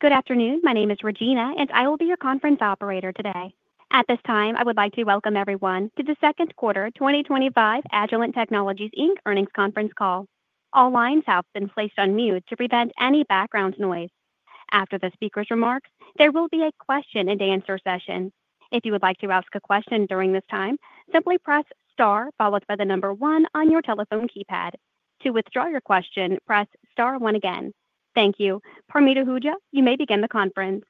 Good afternoon. My name is Regina, and I will be your conference operator today. At this time, I would like to welcome everyone to the Second Quarter 2025 Agilent Technologies Earnings Conference Call. All lines have been placed on mute to prevent any background noise. After the speaker's remarks, there will be a question-and-answer session. If you would like to ask a question during this time, simply press star followed by the number one on your telephone keypad. To withdraw your question, press star one again. Thank you. Parmeet Ahuja, you may begin the conference.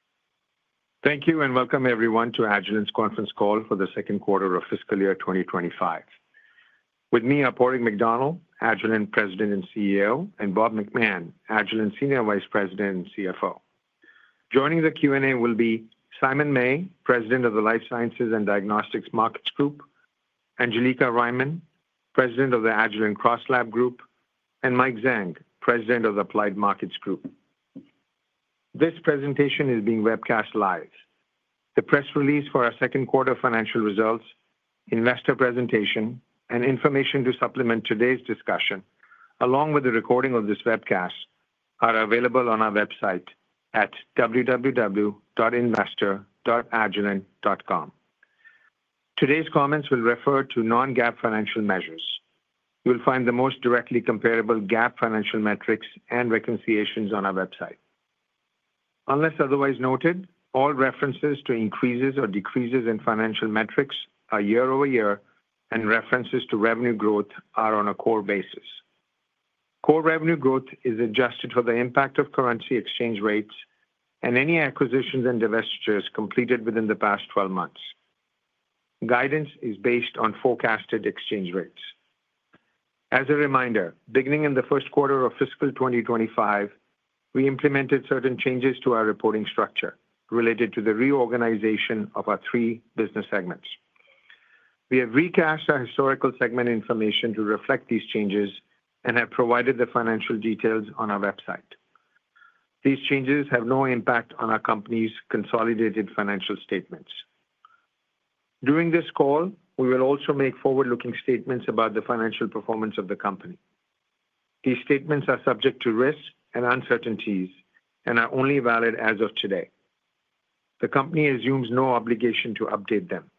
Thank you and welcome everyone to Agilent's conference call for the second quarter of fiscal year 2025. With me are Padraig McDonnell, Agilent President and CEO, and Bob McMahon, Agilent Senior Vice President and CFO. Joining the Q&A will be Simon May, President of the Life Sciences and Diagnostics Markets Group; Angelica Riemann, President of the Agilent CrossLab Group; and Mike Zhang, President of the Applied Markets Group. This presentation is being webcast live. The press release for our second quarter financial results, investor presentation, and information to supplement today's discussion, along with the recording of this webcast, are available on our website at www.investor.agilent.com. Today's comments will refer to non-GAAP financial measures. You'll find the most directly comparable GAAP financial metrics and reconciliations on our website. Unless otherwise noted, all references to increases or decreases in financial metrics are year-over-year, and references to revenue growth are on a core basis. Core revenue growth is adjusted for the impact of currency exchange rates and any acquisitions and divestitures completed within the past 12 months. Guidance is based on forecasted exchange rates. As a reminder, beginning in the first quarter of fiscal 2025, we implemented certain changes to our reporting structure related to the reorganization of our three business segments. We have recast our historical segment information to reflect these changes and have provided the financial details on our website. These changes have no impact on our company's consolidated financial statements. During this call, we will also make forward-looking statements about the financial performance of the company. These statements are subject to risks and uncertainties and are only valid as of today. The company assumes no obligation to update them.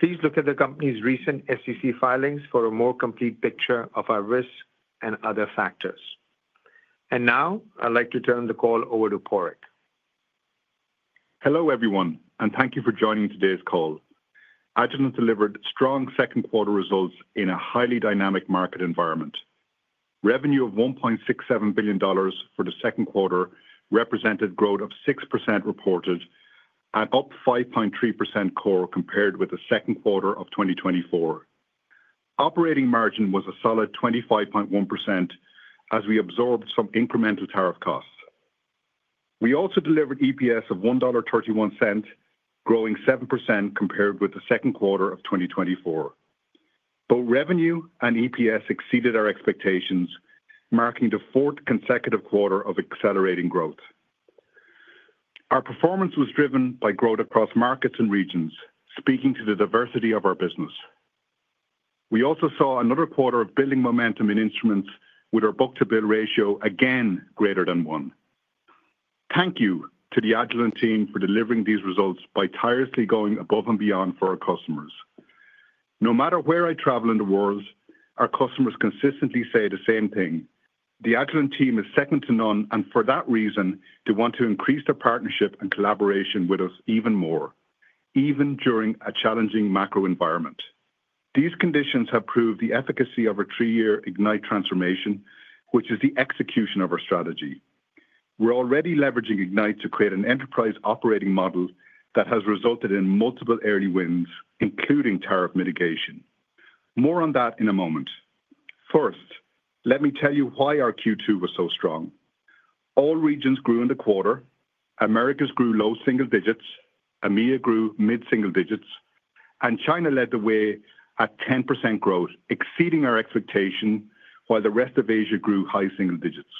Please look at the company's recent SEC filings for a more complete picture of our risks and other factors. Now, I'd like to turn the call over to Padraig. Hello everyone, and thank you for joining today's call. Agilent delivered strong second quarter results in a highly dynamic market environment. Revenue of $1.67 billion for the second quarter represented growth of 6% reported and up 5.3% core compared with the second quarter of 2024. Operating margin was a solid 25.1% as we absorbed some incremental tariff costs. We also delivered EPS of $1.31, growing 7% compared with the second quarter of 2024. Both revenue and EPS exceeded our expectations, marking the fourth consecutive quarter of accelerating growth. Our performance was driven by growth across markets and regions, speaking to the diversity of our business. We also saw another quarter of billing momentum in instruments with our book-to-bill ratio again greater than one. Thank you to the Agilent team for delivering these results by tirelessly going above and beyond for our customers. No matter where I travel in the world, our customers consistently say the same thing. The Agilent team is second to none, and for that reason, they want to increase their partnership and collaboration with us even more, even during a challenging macro environment. These conditions have proved the efficacy of our three-year Ignite transformation, which is the execution of our strategy. We're already leveraging Ignite to create an enterprise operating model that has resulted in multiple early wins, including tariff mitigation. More on that in a moment. First, let me tell you why our Q2 was so strong. All regions grew in the quarter. Americas grew low single digits. EMEA grew mid-single digits, and China led the way at 10% growth, exceeding our expectation, while the rest of Asia grew high single digits.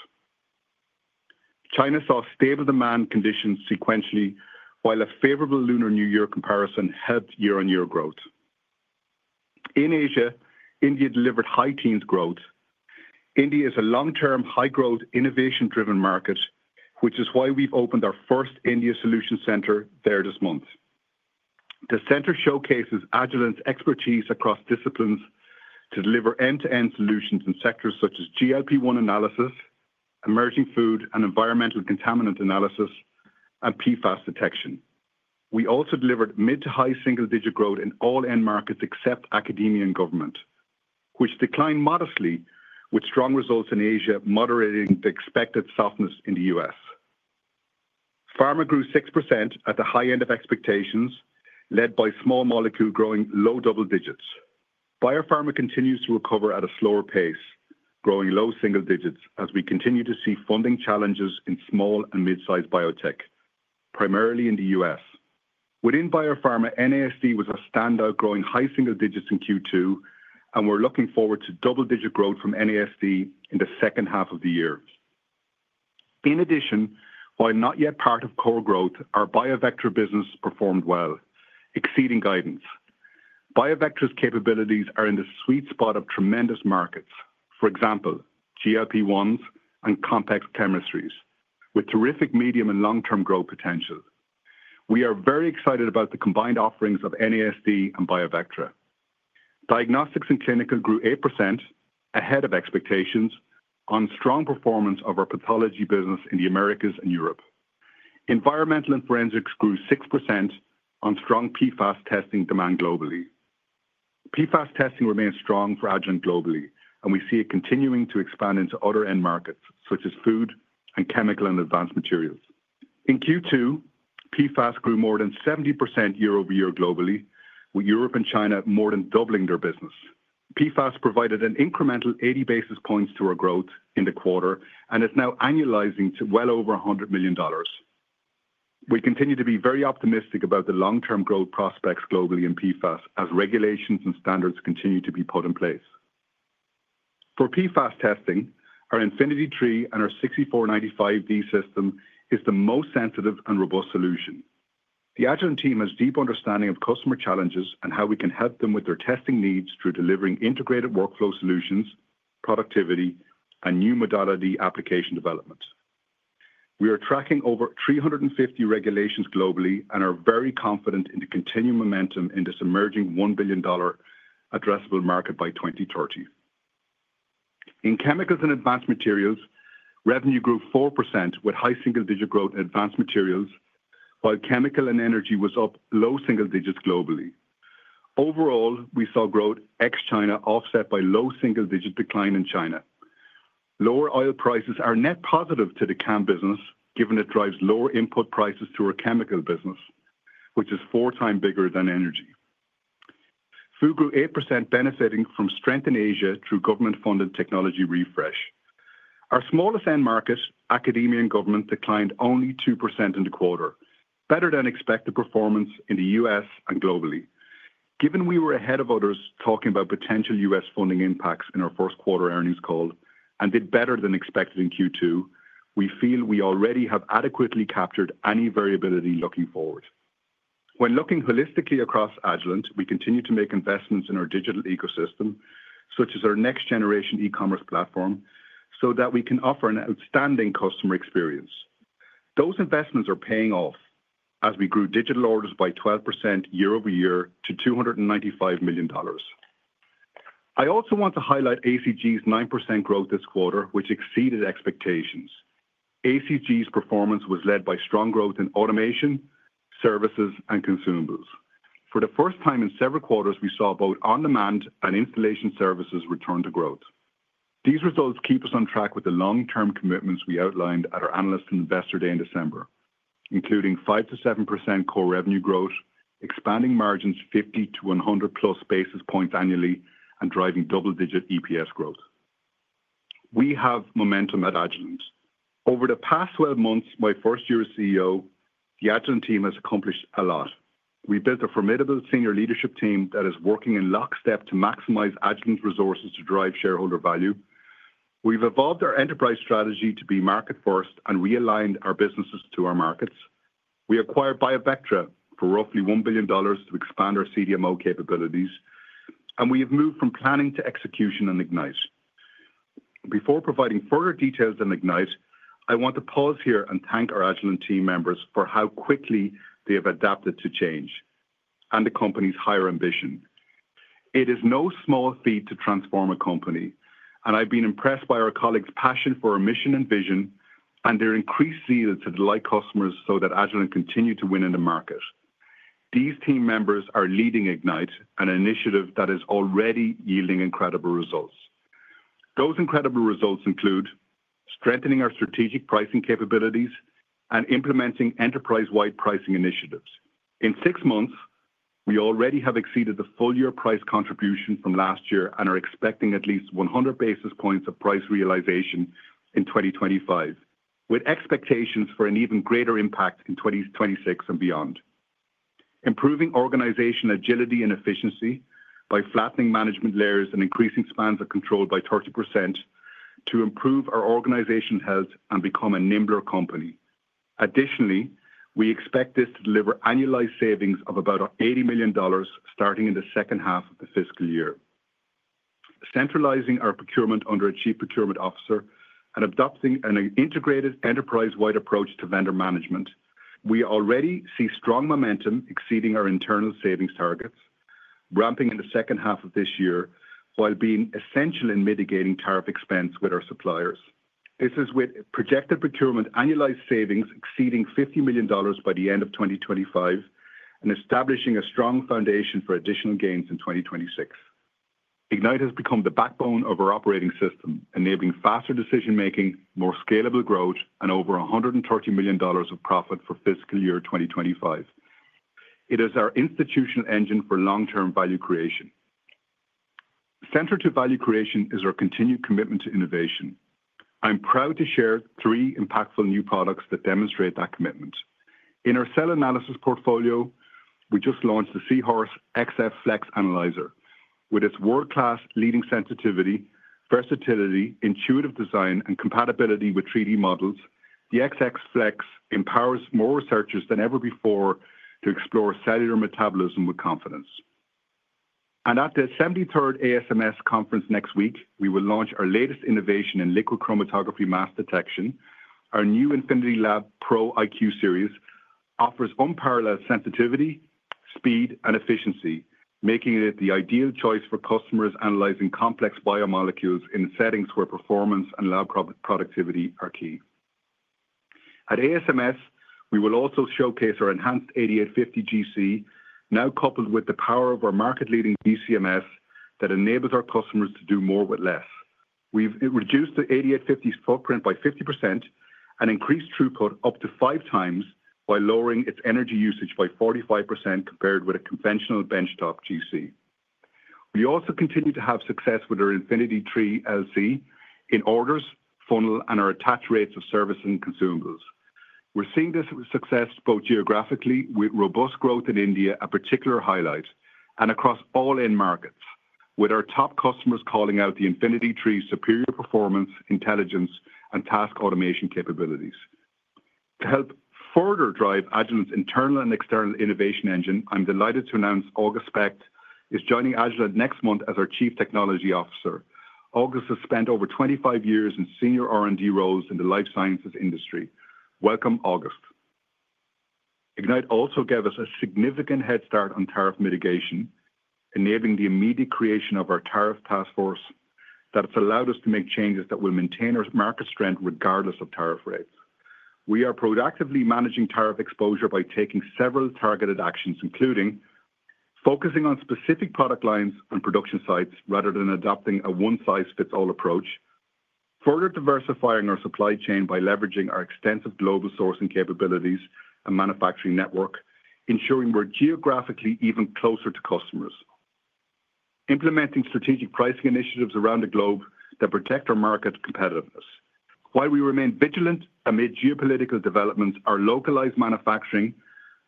China saw stable demand conditions sequentially, while a favorable Lunar New Year comparison helped year-on-year growth. In Asia, India delivered high teens growth. India is a long-term, high-growth, innovation-driven market, which is why we've opened our first India Solution Center there this month. The center showcases Agilent's expertise across disciplines to deliver end-to-end solutions in sectors such as GLP-1 analysis, emerging Food and Environmental Contaminant Analysis, and PFAS detection. We also delivered mid to high single-digit growth in all end markets except academia and government, which declined modestly, with strong results in Asia moderating the expected softness in the U.S. Pharma grew 6% at the high end of expectations, led by small molecule growing low double digits. Biopharma continues to recover at a slower pace, growing low single digits as we continue to see funding challenges in small and mid-sized biotech, primarily in the U.S. Within Biopharma, NASD was a standout, growing high single digits in Q2, and we're looking forward to double-digit growth from NASD in the second half of the year. In addition, while not yet part of core growth, our BIOVECTRA business performed well, exceeding guidance. BIOVECTRA's capabilities are in the sweet spot of tremendous markets, for example, GLP-1s and complex chemistries, with terrific medium and long-term growth potential. We are very excited about the combined offerings of NASD and BIOVECTRA. Diagnostics and Clinical grew 8% ahead of expectations on strong performance of our pathology business in the Americas and Europe. Environmental and Forensics grew 6% on strong PFAS testing demand globally. PFAS testing remains strong for Agilent globally, and we see it continuing to expand into other end markets such as Food and Chemical and Advanced Materials. In Q2, PFAS grew more than 70% year-over-year globally, with Europe and China more than doubling their business. PFAS provided an incremental 80 basis points to our growth in the quarter and is now annualizing to well over $100 million. We continue to be very optimistic about the long-term growth prospects globally in PFAS as regulations and standards continue to be put in place. For PFAS testing, our Infinity III and our 6495 Triple Quadrupole LC/MS system is the most sensitive and robust solution. The Agilent team has a deep understanding of customer challenges and how we can help them with their testing needs through delivering integrated workflow solutions, productivity, and new modality application development. We are tracking over 350 regulations globally and are very confident in the continued momentum in this emerging $1 billion addressable market by 2030. In Chemicals and Advanced Materials, revenue grew 4% with high single-digit growth in Advanced Materials, while Chemical and Energy was up low single digits globally. Overall, we saw growth ex-China offset by low single-digit decline in China. Lower oil prices are net positive to the CAM business, given it drives lower input prices to our Chemical business, which is four times bigger than Energy. Food grew 8%, benefiting from strength in Asia through government-funded technology refresh. Our smallest end market, academia and government, declined only 2% in the quarter, better than expected performance in the U.S. and globally. Given we were ahead of others talking about potential U.S. funding impacts in our first quarter earnings call and did better than expected in Q2, we feel we already have adequately captured any variability looking forward. When looking holistically across Agilent, we continue to make investments in our digital ecosystem, such as our next-generation e-commerce platform, so that we can offer an outstanding customer experience. Those investments are paying off as we grew digital orders by 12% year-over-year to $295 million. I also want to highlight ACG's 9% growth this quarter, which exceeded expectations. ACG's performance was led by strong growth in automation, services, and consumables. For the first time in several quarters, we saw both on-demand and installation services return to growth. These results keep us on track with the long-term commitments we outlined at our Analyst and Investor Day in December, including 5%-7% core revenue growth, expanding margins 50-100 plus basis points annually, and driving double-digit EPS growth. We have momentum at Agilent. Over the past 12 months, my first year as CEO, the Agilent team has accomplished a lot. We built a formidable senior leadership team that is working in lockstep to maximize Agilent's resources to drive shareholder value. We've evolved our enterprise strategy to be market-first and realigned our businesses to our markets. We acquired BioVectra for roughly $1 billion to expand our CDMO capabilities, and we have moved from planning to execution on Ignite. Before providing further details on Ignite, I want to pause here and thank our Agilent team members for how quickly they have adapted to change and the company's higher ambition. It is no small feat to transform a company, and I've been impressed by our colleagues' passion for our mission and vision and their increased zeal to delight customers so that Agilent continues to win in the market. These team members are leading Ignite, an initiative that is already yielding incredible results. Those incredible results include strengthening our strategic pricing capabilities and implementing enterprise-wide pricing initiatives. In six months, we already have exceeded the full-year price contribution from last year and are expecting at least 100 basis points of price realization in 2025, with expectations for an even greater impact in 2026 and beyond. Improving organization agility and efficiency by flattening management layers and increasing spans of control by 30% to improve our organization health and become a nimbler company. Additionally, we expect this to deliver annualized savings of about $80 million starting in the second half of the fiscal year. Centralizing our procurement under a Chief Procurement Officer and adopting an integrated enterprise-wide approach to vendor management, we already see strong momentum exceeding our internal savings targets, ramping in the second half of this year while being essential in mitigating tariff expense with our suppliers. This is with projected procurement annualized savings exceeding $50 million by the end of 2025 and establishing a strong foundation for additional gains in 2026. Ignite has become the backbone of our operating system, enabling faster decision-making, more scalable growth, and over $130 million of profit for fiscal year 2025. It is our institutional engine for long-term value creation. Centered to value creation is our continued commitment to innovation. I'm proud to share three impactful new products that demonstrate that commitment. In our cell analysis portfolio, we just launched the Seahorse XF Flex Analyzer. With its world-class leading sensitivity, versatility, intuitive design, and compatibility with 3D models, the XF Flex empowers more researchers than ever before to explore cellular metabolism with confidence. At the 73rd ASMS conference next week, we will launch our latest innovation in liquid chromatography mass detection. Our new InfinityLab Pro iQ Series offers unparalleled sensitivity, speed, and efficiency, making it the ideal choice for customers analyzing complex biomolecules in settings where performance and lab productivity are key. At ASMS, we will also showcase our enhanced 8850 GC, now coupled with the power of our market-leading GCMS that enables our customers to do more with less. We've reduced the 8850's footprint by 50% and increased throughput up to five times by lowering its energy usage by 45% compared with a conventional benchtop GC. We also continue to have success with our Infinity III LC in orders, funnel, and our attached rates of service and consumables. We're seeing this success both geographically, with robust growth in India, a particular highlight, and across all end markets, with our top customers calling out the Infinity III's superior performance, intelligence, and task automation capabilities. To help further drive Agilent's internal and external innovation engine, I'm delighted to announce August Spect is joining Agilent next month as our Chief Technology Officer. August has spent over 25 years in senior R&D roles in the life sciences industry. Welcome, August. Ignite also gave us a significant head start on tariff mitigation, enabling the immediate creation of our Tariff Task Force that has allowed us to make changes that will maintain our market strength regardless of tariff rates. We are proactively managing tariff exposure by taking several targeted actions, including focusing on specific product lines and production sites rather than adopting a one-size-fits-all approach, further diversifying our supply chain by leveraging our extensive global sourcing capabilities and manufacturing network, ensuring we're geographically even closer to customers, implementing strategic pricing initiatives around the globe that protect our market competitiveness. While we remain vigilant amid geopolitical developments, our localized manufacturing,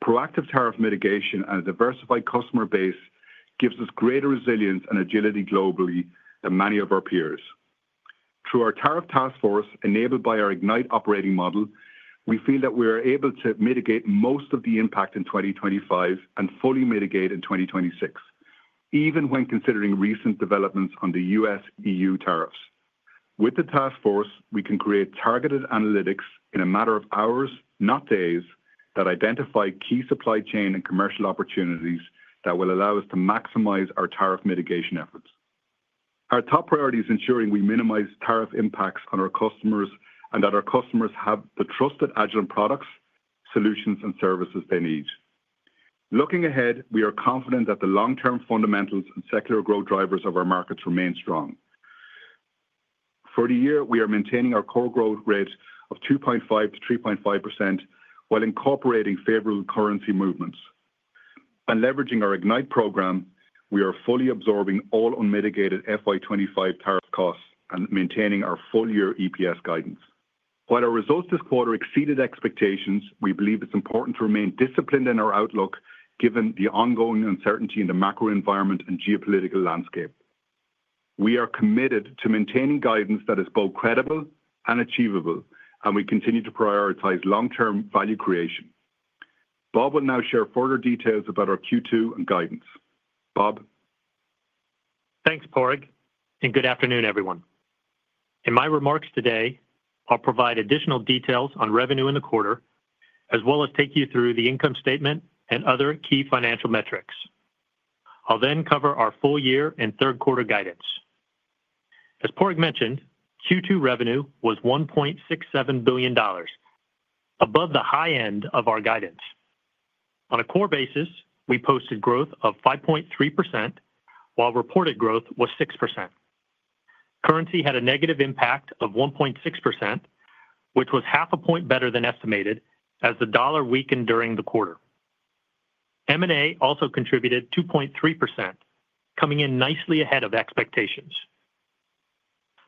proactive tariff mitigation, and a diversified customer base gives us greater resilience and agility globally than many of our peers. Through our Tariff Task Force enabled by our Ignite operating model, we feel that we are able to mitigate most of the impact in 2025 and fully mitigate in 2026, even when considering recent developments on the US-EU tariffs. With the Task Force, we can create targeted analytics in a matter of hours, not days, that identify key supply chain and commercial opportunities that will allow us to maximize our tariff mitigation efforts. Our top priority is ensuring we minimize tariff impacts on our customers and that our customers have the trusted Agilent products, solutions, and services they need. Looking ahead, we are confident that the long-term fundamentals and secular growth drivers of our markets remain strong. For the year, we are maintaining our core growth rate of 2.5%-3.5% while incorporating favorable currency movements. By leveraging our Ignite program, we are fully absorbing all unmitigated FY 2025 tariff costs and maintaining our full-year EPS guidance. While our results this quarter exceeded expectations, we believe it's important to remain disciplined in our outlook given the ongoing uncertainty in the macro environment and geopolitical landscape. We are committed to maintaining guidance that is both credible and achievable, and we continue to prioritize long-term value creation. Bob will now share further details about our Q2 and guidance. Bob. Thanks, Padraig, and good afternoon, everyone. In my remarks today, I'll provide additional details on revenue in the quarter, as well as take you through the income statement and other key financial metrics. I'll then cover our full-year and third-quarter guidance. As Padraig mentioned, Q2 revenue was $1.67 billion, above the high end of our guidance. On a core basis, we posted growth of 5.3%, while reported growth was 6%. Currency had a negative impact of 1.6%, which was half a point better than estimated as the dollar weakened during the quarter. M&A also contributed 2.3%, coming in nicely ahead of expectations.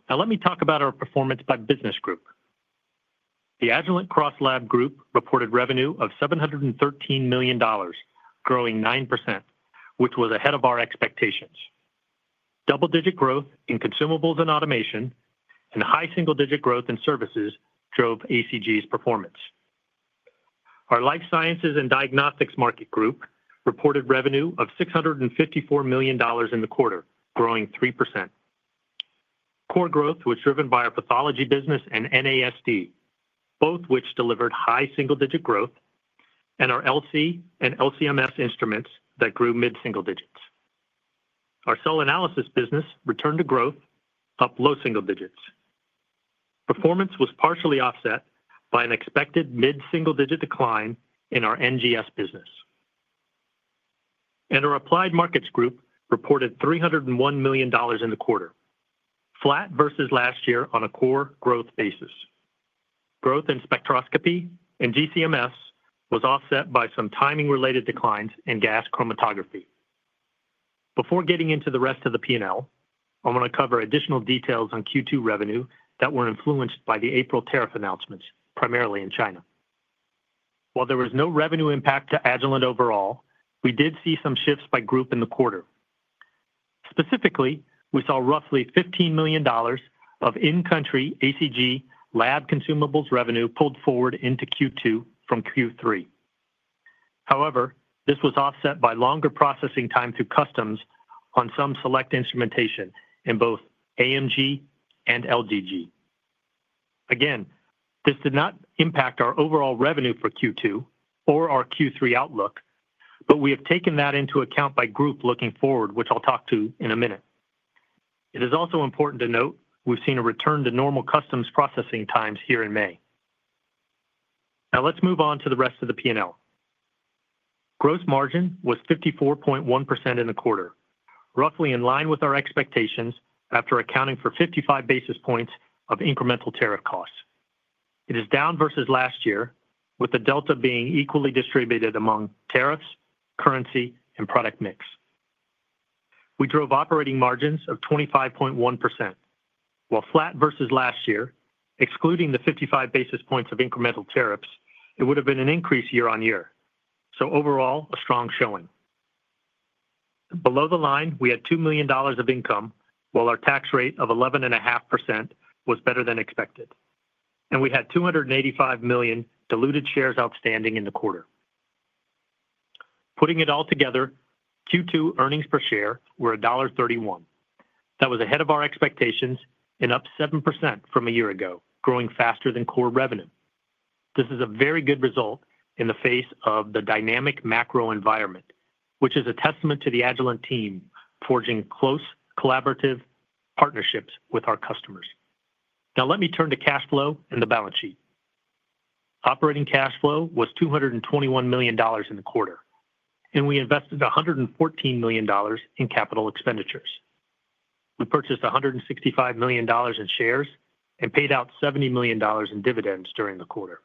Now, let me talk about our performance by business group. The Agilent CrossLab Group reported revenue of $713 million, growing 9%, which was ahead of our expectations. Double-digit growth in consumables and automation and high single-digit growth in services drove ACG's performance. Our Life Sciences and Diagnostics Market Group reported revenue of $654 million in the quarter, growing 3%. Core growth was driven by our pathology business and NASD, both of which delivered high single-digit growth, and our LC and LCMS instruments that grew mid-single digits. Our Cell Analysis business returned to growth, up low single digits. Performance was partially offset by an expected mid-single-digit decline in our NGS business. Our Applied Markets Group reported $301 million in the quarter, flat versus last year on a core growth basis. Growth in spectroscopy and GCMS was offset by some timing-related declines in gas chromatography. Before getting into the rest of the P&L, I want to cover additional details on Q2 revenue that were influenced by the April tariff announcements, primarily in China. While there was no revenue impact to Agilent overall, we did see some shifts by group in the quarter. Specifically, we saw roughly $15 million of in-country ACG lab consumables revenue pulled forward into Q2 from Q3. However, this was offset by longer processing time through customs on some select instrumentation in both AMG and LGG. Again, this did not impact our overall revenue for Q2 or our Q3 outlook, but we have taken that into account by group looking forward, which I'll talk to in a minute. It is also important to note we've seen a return to normal customs processing times here in May. Now, let's move on to the rest of the P&L. Gross margin was 54.1% in the quarter, roughly in line with our expectations after accounting for 55 basis points of incremental tariff costs. It is down versus last year, with the delta being equally distributed among tariffs, currency, and product mix. We drove operating margins of 25.1%. While flat versus last year, excluding the 55 basis points of incremental tariffs, it would have been an increase year-on-year. Overall, a strong showing. Below the line, we had $2 million of income, while our tax rate of 11.5% was better than expected. We had 285 million diluted shares outstanding in the quarter. Putting it all together, Q2 earnings per share were $1.31. That was ahead of our expectations and up 7% from a year ago, growing faster than core revenue. This is a very good result in the face of the dynamic macro environment, which is a testament to the Agilent team forging close, collaborative partnerships with our customers. Now, let me turn to cash flow and the balance sheet. Operating cash flow was $221 million in the quarter, and we invested $114 million in capital expenditures. We purchased $165 million in shares and paid out $70 million in dividends during the quarter.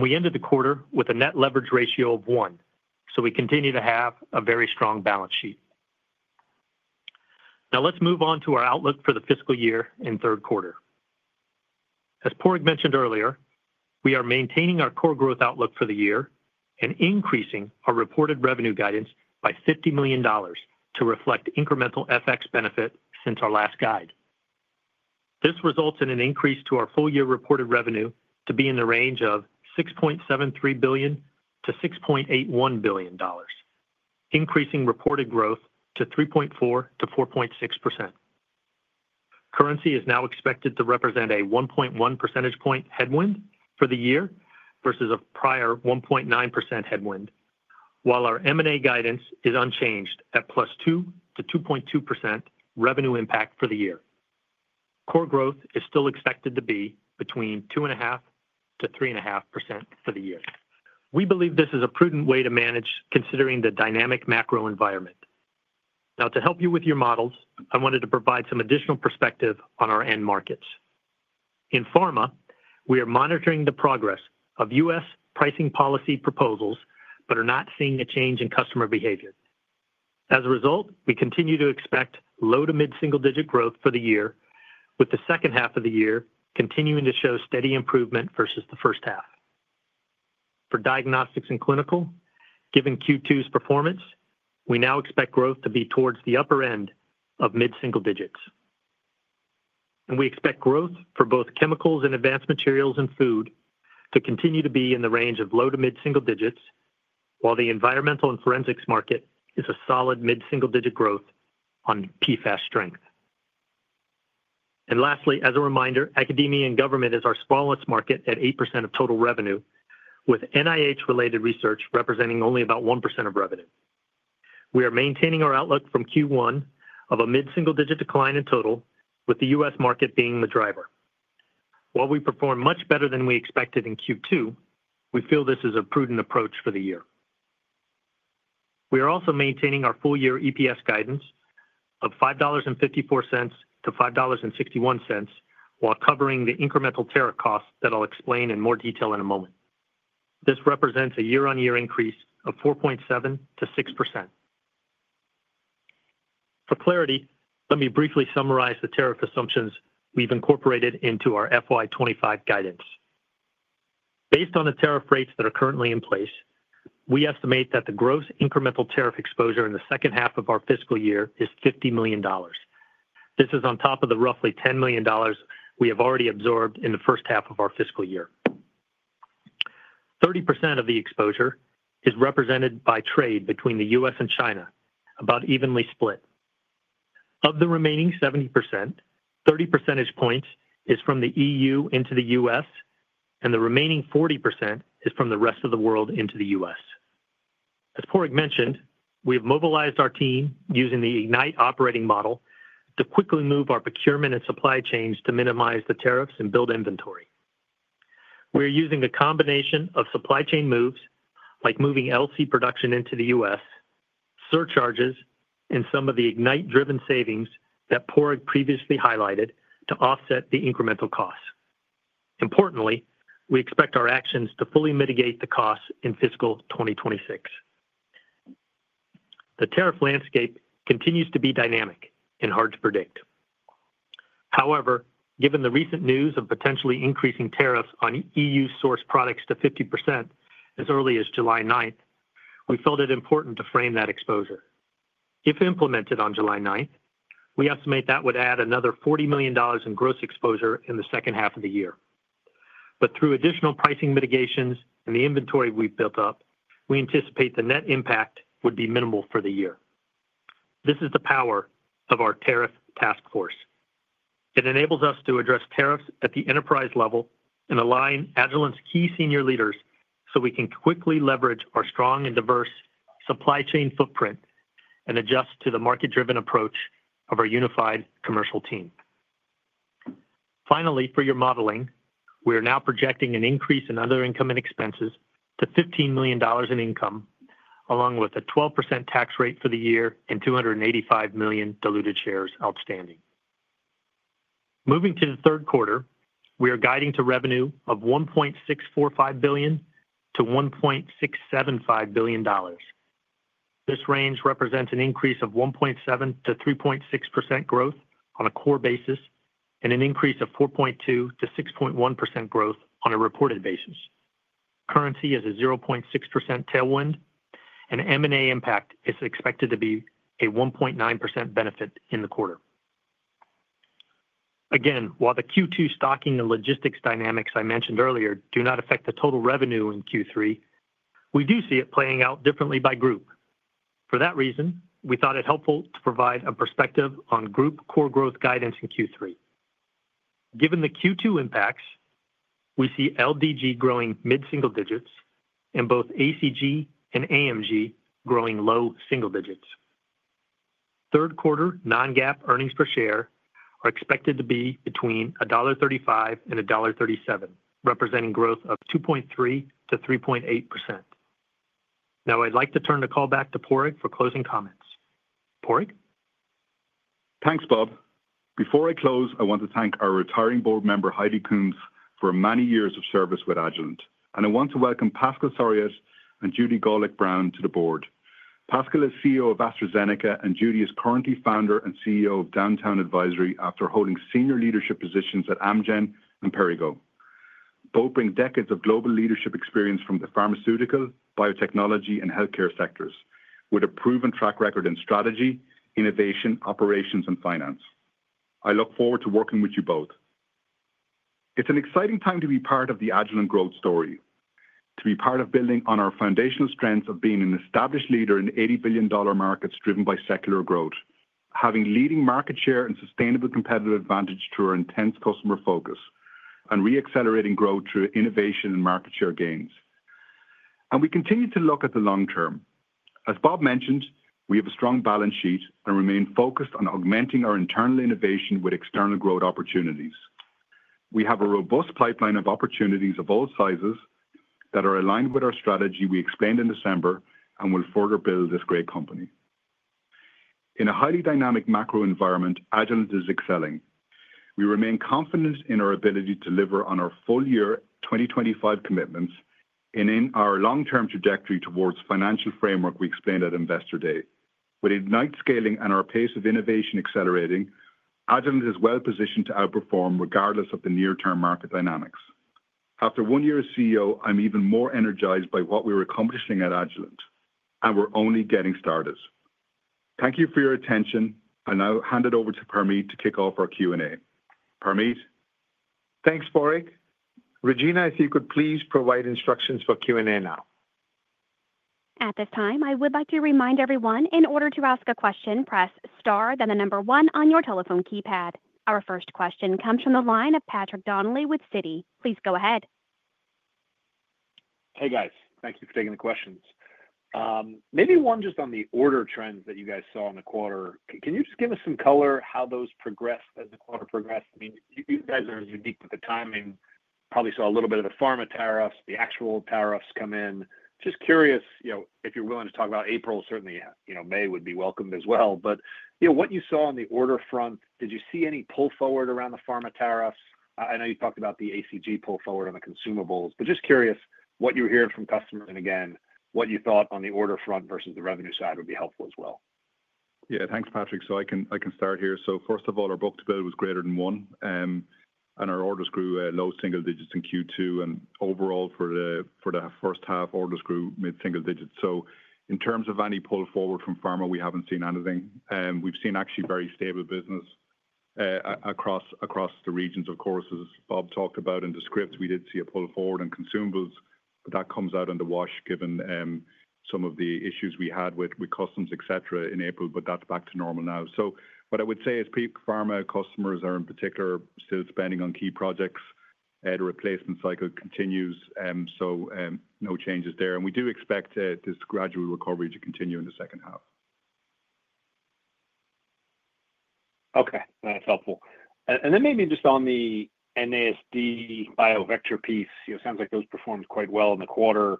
We ended the quarter with a net leverage ratio of one, so we continue to have a very strong balance sheet. Now, let's move on to our outlook for the fiscal year and third quarter. As Padraig mentioned earlier, we are maintaining our core growth outlook for the year and increasing our reported revenue guidance by $50 million to reflect incremental FX benefit since our last guide. This results in an increase to our full-year reported revenue to be in the range of $6.73 billion-$6.81 billion, increasing reported growth to 3.4%-4.6%. Currency is now expected to represent a 1.1 percentage point headwind for the year versus a prior 1.9% headwind, while our M&A guidance is unchanged at +2%-2.2% revenue impact for the year. Core growth is still expected to be between 2.5%-3.5% for the year. We believe this is a prudent way to manage considering the dynamic macro environment. Now, to help you with your models, I wanted to provide some additional perspective on our end markets. In Pharma, we are monitoring the progress of U.S. pricing policy proposals but are not seeing a change in customer behavior. As a result, we continue to expect low to mid-single digit growth for the year, with the second half of the year continuing to show steady improvement versus the first half. For Diagnostics and Clinical, given Q2's performance, we now expect growth to be towards the upper end of mid-single digits. We expect growth for both Chemicals and Advanced Materials and food to continue to be in the range of low to mid-single digits, while the Environmental and Forensics market is a solid mid-single digit growth on PFAS strength. Lastly, as a reminder, academia and government is our smallest market at 8% of total revenue, with NIH-related research representing only about 1% of revenue. We are maintaining our outlook from Q1 of a mid-single digit decline in total, with the U.S. market being the driver. While we performed much better than we expected in Q2, we feel this is a prudent approach for the year. We are also maintaining our full-year EPS guidance of $5.54-$5.61 while covering the incremental tariff costs that I'll explain in more detail in a moment. This represents a year-on-year increase of 4.7%-6%. For clarity, let me briefly summarize the tariff assumptions we've incorporated into our FY 2025 guidance. Based on the tariff rates that are currently in place, we estimate that the gross incremental tariff exposure in the second half of our fiscal year is $50 million. This is on top of the roughly $10 million we have already absorbed in the first half of our fiscal year. 30% of the exposure is represented by trade between the U.S. and China, about evenly split. Of the remaining 70%, 30 percentage points is from the EU into the U.S., and the remaining 40% is from the rest of the world into the U.S. As Padraig mentioned, we have mobilized our team using the Ignite operating model to quickly move our procurement and supply chains to minimize the tariffs and build inventory. We are using a combination of supply chain moves, like moving LC production into the U.S., surcharges, and some of the Ignite-driven savings that Padraig previously highlighted to offset the incremental costs. Importantly, we expect our actions to fully mitigate the costs in fiscal 2026. The tariff landscape continues to be dynamic and hard to predict. However, given the recent news of potentially increasing tariffs on EU-sourced products to 50% as early as July 9th, we felt it important to frame that exposure. If implemented on July 9th, we estimate that would add another $40 million in gross exposure in the second half of the year. Through additional pricing mitigations and the inventory we've built up, we anticipate the net impact would be minimal for the year. This is the power of our Tariff Task Force. It enables us to address tariffs at the enterprise level and align Agilent's key senior leaders so we can quickly leverage our strong and diverse supply chain footprint and adjust to the market-driven approach of our unified commercial team. Finally, for your modeling, we are now projecting an increase in other income and expenses to $15 million in income, along with a 12% tax rate for the year and 285 million diluted shares outstanding. Moving to the third quarter, we are guiding to revenue of $1.645 billion-$1.675 billion. This range represents an increase of 1.7%-3.6% growth on a core basis and an increase of 4.2%-6.1% growth on a reported basis. Currency is a 0.6% tailwind, and M&A impact is expected to be a 1.9% benefit in the quarter. Again, while the Q2 stocking and logistics dynamics I mentioned earlier do not affect the total revenue in Q3, we do see it playing out differently by group. For that reason, we thought it helpful to provide a perspective on group core growth guidance in Q3. Given the Q2 impacts, we see LDG growing mid-single digits and both ACG and AMG growing low single digits. Third quarter non-GAAP earnings per share are expected to be between $1.35 and $1.37, representing growth of 2.3% to 3.8%. Now, I'd like to turn the call back to Padraig for closing comments. Padraig? Thanks, Bob. Before I close, I want to thank our retiring board member, Heidi Kunz, for many years of service with Agilent. I want to welcome Pascal Soriot and Judy Gollick-Brown to the board. Pascal is CEO of AstraZeneca, and Judy is currently founder and CEO of Downtown Advisory after holding senior leadership positions at Amgen and Perrigo. Both bring decades of global leadership experience from the pharmaceutical, biotechnology, and healthcare sectors, with a proven track record in strategy, innovation, operations, and finance. I look forward to working with you both. It's an exciting time to be part of the Agilent growth story, to be part of building on our foundational strengths of being an established leader in $80 billion markets driven by secular growth, having leading market share and sustainable competitive advantage to our intense customer focus, and re-accelerating growth through innovation and market share gains. We continue to look at the long term. As Bob mentioned, we have a strong balance sheet and remain focused on augmenting our internal innovation with external growth opportunities. We have a robust pipeline of opportunities of all sizes that are aligned with our strategy we explained in December and will further build this great company. In a highly dynamic macro environment, Agilent is excelling. We remain confident in our ability to deliver on our full-year 2025 commitments and in our long-term trajectory towards the financial framework we explained at Investor Day. With Ignite scaling and our pace of innovation accelerating, Agilent is well-positioned to outperform regardless of the near-term market dynamics. After one year as CEO, I'm even more energized by what we are accomplishing at Agilent, and we're only getting started. Thank you for your attention. I now hand it over to Parmeet to kick off our Q&A. Parmeet? Thanks, Parmeet. Regina, if you could please provide instructions for Q&A now. At this time, I would like to remind everyone, in order to ask a question, press star, then the number one on your telephone keypad. Our first question comes from the line of Patrick Donnelly with Citi. Please go ahead. Hey, guys. Thank you for taking the questions. Maybe one just on the order trends that you guys saw in the quarter. Can you just give us some color how those progressed as the quarter progressed? I mean, you guys are unique with the timing. Probably saw a little bit of the Pharma tariffs, the actual tariffs come in. Just curious if you're willing to talk about April. Certainly, May would be welcome as well. What you saw on the order front, did you see any pull forward around the Pharma tariffs? I know you talked about the ACG pull forward on the consumables, but just curious what you're hearing from customers and, again, what you thought on the order front versus the revenue side would be helpful as well. Yeah, thanks, Patrick. I can start here. First of all, our book-to-bill was greater than one, and our orders grew low single digits in Q2. Overall, for the first half, orders grew mid-single digits. In terms of any pull forward from Pharma, we haven't seen anything. We've seen actually very stable business across the regions, of course, as Bob talked about in the script. We did see a pull forward on consumables, but that comes out under wash given some of the issues we had with customs, etc., in April, but that's back to normal now. What I would say is Pharma customers are in particular still spending on key projects. The replacement cycle continues, so no changes there. We do expect this gradual recovery to continue in the second half. Okay. That's helpful. Maybe just on the NASD BIOVECTRA piece, it sounds like those performed quite well in the quarter.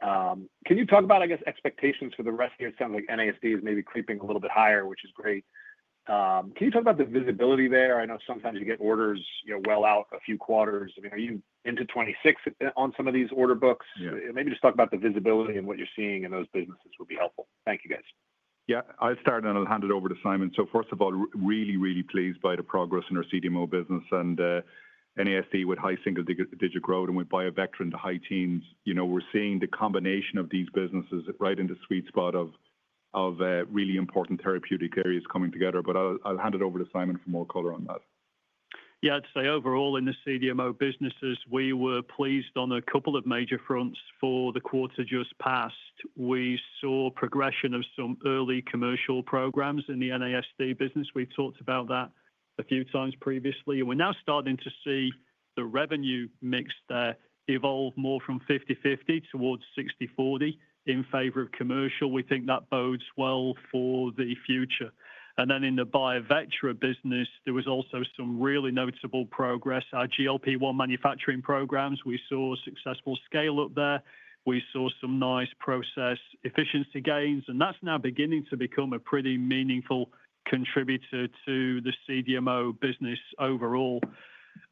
Can you talk about, I guess, expectations for the rest here? It sounds like NASD is maybe creeping a little bit higher, which is great. Can you talk about the visibility there? I know sometimes you get orders well out a few quarters. I mean, are you into 2026 on some of these order books? Maybe just talk about the visibility and what you're seeing in those businesses would be helpful. Thank you, guys. Yeah. I'll start and I'll hand it over to Simon. First of all, really, really pleased by the progress in our CDMO business and NASD with high single-digit growth. And with BIOVECTRA in the high teens, we're seeing the combination of these businesses right in the sweet spot of really important therapeutic areas coming together. I'll hand it over to Simon for more color on that. Yeah, I'd say overall in the CDMO businesses, we were pleased on a couple of major fronts. For the quarter just passed, we saw progression of some early commercial programs in the NASD business. We've talked about that a few times previously. We are now starting to see the revenue mix there evolve more from 50/50 towards 60/40 in favor of commercial. We think that bodes well for the future. In the BIOVECTRA business, there was also some really notable progress. Our GLP-1 manufacturing programs, we saw successful scale-up there. We saw some nice process efficiency gains, and that is now beginning to become a pretty meaningful contributor to the CDMO business overall.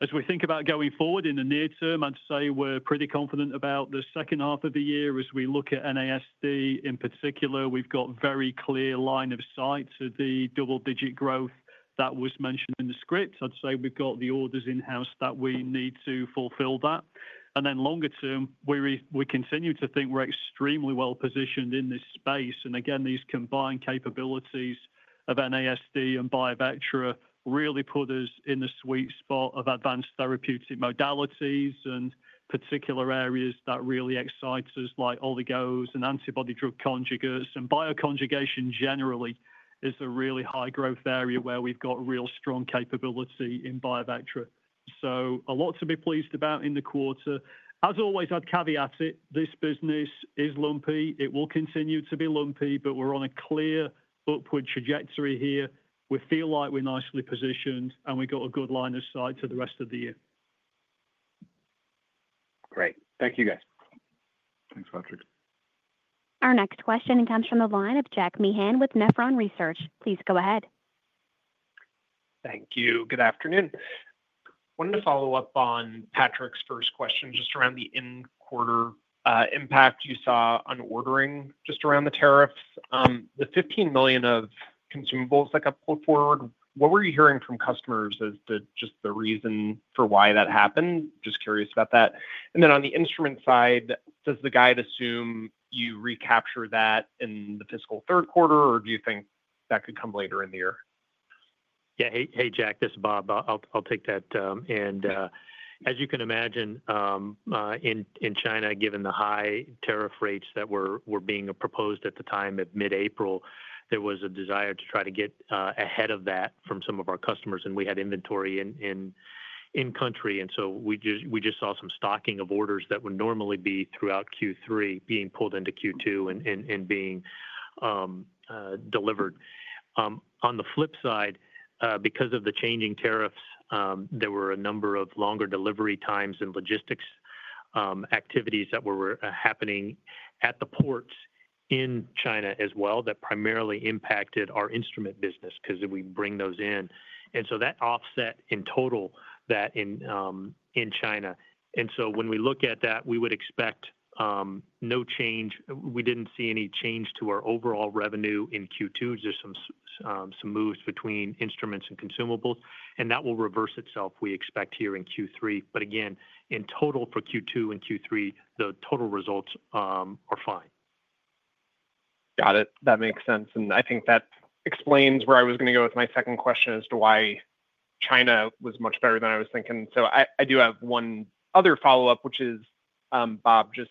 As we think about going forward in the near term, I'd say we are pretty confident about the second half of the year as we look at NASD in particular. We have got a very clear line of sight to the double-digit growth that was mentioned in the script. I'd say we have got the orders in-house that we need to fulfill that. Longer term, we continue to think we're extremely well-positioned in this space. These combined capabilities of NASD and BIOVECTRA really put us in the sweet spot of advanced therapeutic modalities and particular areas that really excite us, like oligos and antibody drug conjugates. Bio-conjugation generally is a really high-growth area where we've got real strong capability in BIOVECTRA. A lot to be pleased about in the quarter. As always, I'd caveat it. This business is lumpy. It will continue to be lumpy, but we're on a clear upward trajectory here. We feel like we're nicely positioned, and we've got a good line of sight to the rest of the year. Great. Thank you, guys. Thanks, Patrick. Our next question comes from the line of Jack Meehan with Nephron Research. Please go ahead. Thank you. Good afternoon. I wanted to follow up on Patrick's first question just around the in-quarter impact you saw on ordering just around the tariffs. The $15 million of consumables that got pulled forward, what were you hearing from customers as just the reason for why that happened? Just curious about that. On the instrument side, does the guide assume you recapture that in the fiscal third quarter, or do you think that could come later in the year? Yeah. Hey, Jack, this is Bob. I'll take that. As you can imagine, in China, given the high tariff rates that were being proposed at the time of mid-April, there was a desire to try to get ahead of that from some of our customers, and we had inventory in-country. We just saw some stocking of orders that would normally be throughout Q3 being pulled into Q2 and being delivered. On the flip side, because of the changing tariffs, there were a number of longer delivery times and logistics activities that were happening at the ports in China as well that primarily impacted our instrument business because we bring those in. That offset in total that in China. When we look at that, we would expect no change. We did not see any change to our overall revenue in Q2. There are some moves between instruments and consumables, and that will reverse itself, we expect here in Q3. Again, in total for Q2 and Q3, the total results are fine. Got it. That makes sense. I think that explains where I was going to go with my second question as to why China was much better than I was thinking. I do have one other follow-up, which is, Bob, just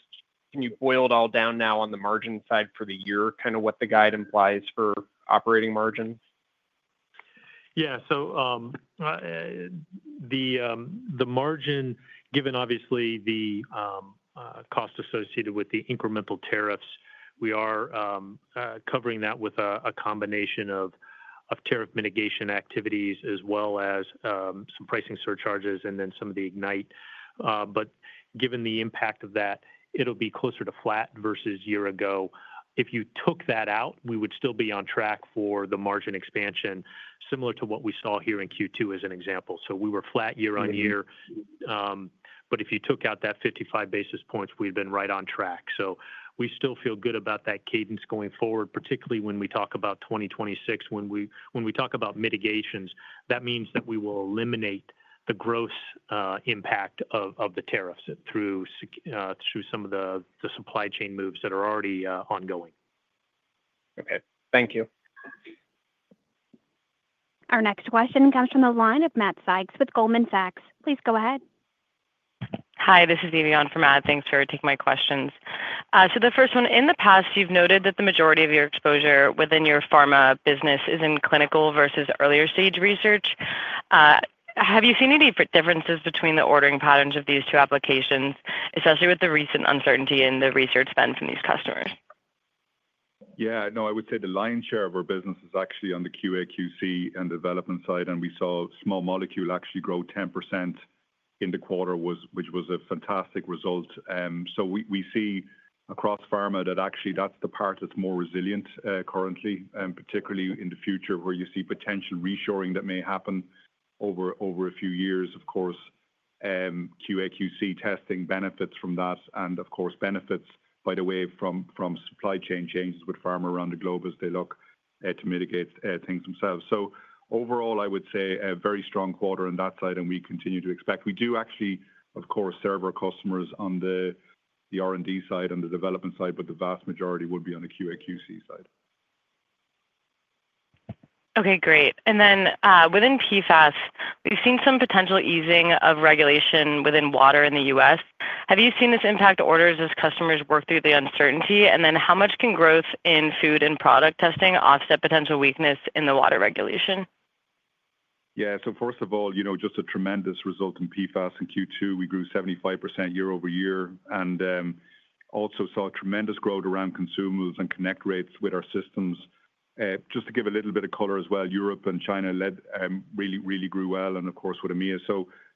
can you boil it all down now on the margin side for the year, kind of what the guide implies for operating margin? Yeah. The margin, given obviously the cost associated with the incremental tariffs, we are covering that with a combination of tariff mitigation activities as well as some pricing surcharges and then some of the Ignite. Given the impact of that, it will be closer to flat versus year ago. If you took that out, we would still be on track for the margin expansion, similar to what we saw here in Q2 as an example. We were flat year-on-year. If you took out that 55 basis points, we'd been right on track. We still feel good about that cadence going forward, particularly when we talk about 2026. When we talk about mitigations, that means that we will eliminate the gross impact of the tariffs through some of the supply chain moves that are already ongoing. Okay. Thank you. Our next question comes from the line of Matt Sykes with Goldman Sachs. Please go ahead. Hi, this is Evian from Ad. Thanks for taking my questions. The first one, in the past, you've noted that the majority of your exposure within your Pharma business is in clinical versus earlier stage research. Have you seen any differences between the ordering patterns of these two applications, especially with the recent uncertainty in the research spend from these customers? Yeah. No, I would say the lion's share of our business is actually on the QA/QC and development side, and we saw small molecule actually grow 10% in the quarter, which was a fantastic result. We see across Pharma that actually that's the part that's more resilient currently, particularly in the future where you see potential reshoring that may happen over a few years, of course. QA/QC testing benefits from that, and of course, benefits, by the way, from supply chain changes with Pharma around the globe as they look to mitigate things themselves. Overall, I would say a very strong quarter on that side, and we continue to expect. We do actually, of course, serve our customers on the R&D side, on the development side, but the vast majority would be on the QA/QC side. Okay. Great. Within PFAS, we've seen some potential easing of regulation within water in the U.S.. Have you seen this impact orders as customers work through the uncertainty? How much can growth in food and product testing offset potential weakness in the water regulation? Yeah. First of all, just a tremendous result in PFAS in Q2. We grew 75% year over year and also saw tremendous growth around consumables and connect rates with our systems. Just to give a little bit of color as well, Europe and China really, really grew well, and of course, with Amir.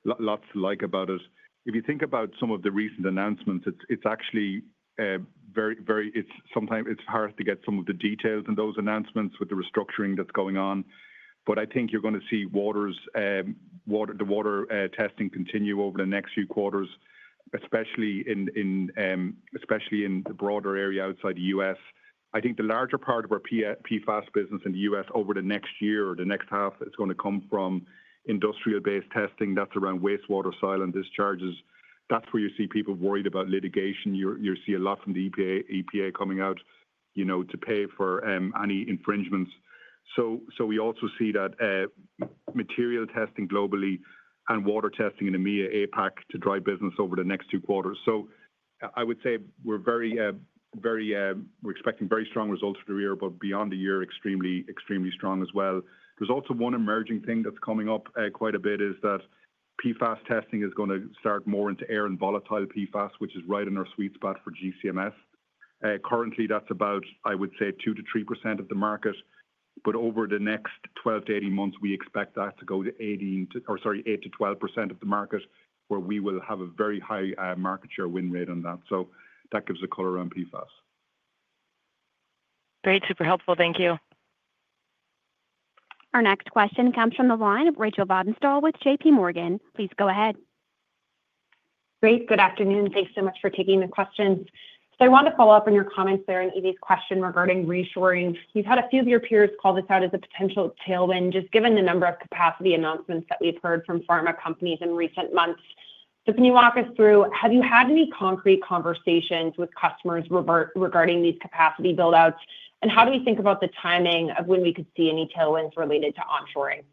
Lots to like about it. If you think about some of the recent announcements, it's actually very, very hard to get some of the details in those announcements with the restructuring that's going on. I think you're going to see the water testing continue over the next few quarters, especially in the broader area outside the U.S. I think the larger part of our PFAS business in the U.S. over the next year or the next half is going to come from industrial-based testing. That's around wastewater, soil, and discharges. That's where you see people worried about litigation. You see a lot from the EPA coming out to pay for any infringements. We also see that material testing globally and water testing in EMEA, APAC, will drive business over the next two quarters. I would say we're expecting very strong results for the year, but beyond the year, extremely, extremely strong as well. There's also one emerging thing that's coming up quite a bit is that PFAS testing is going to start more into air and volatile PFAS, which is right in our sweet spot for GCMS. Currently, that's about, I would say, 2-3% of the market. But over the next 12-18 months, we expect that to go to 8-12% of the market, where we will have a very high market share win rate on that. That gives a color on PFAS. Great. Super helpful. Thank you. Our next question comes from the line of Rachel Vatnsdal with JPMorgan. Please go ahead. Great. Good afternoon. Thanks so much for taking the questions. I want to follow up on your comments there in Evian question regarding reshoring. You've had a few of your peers call this out as a potential tailwind, just given the number of capacity announcements that we've heard from Pharma companies in recent months. Can you walk us through, have you had any concrete conversations with customers regarding these capacity buildouts, and how do we think about the timing of when we could see any tailwinds related to onshoring?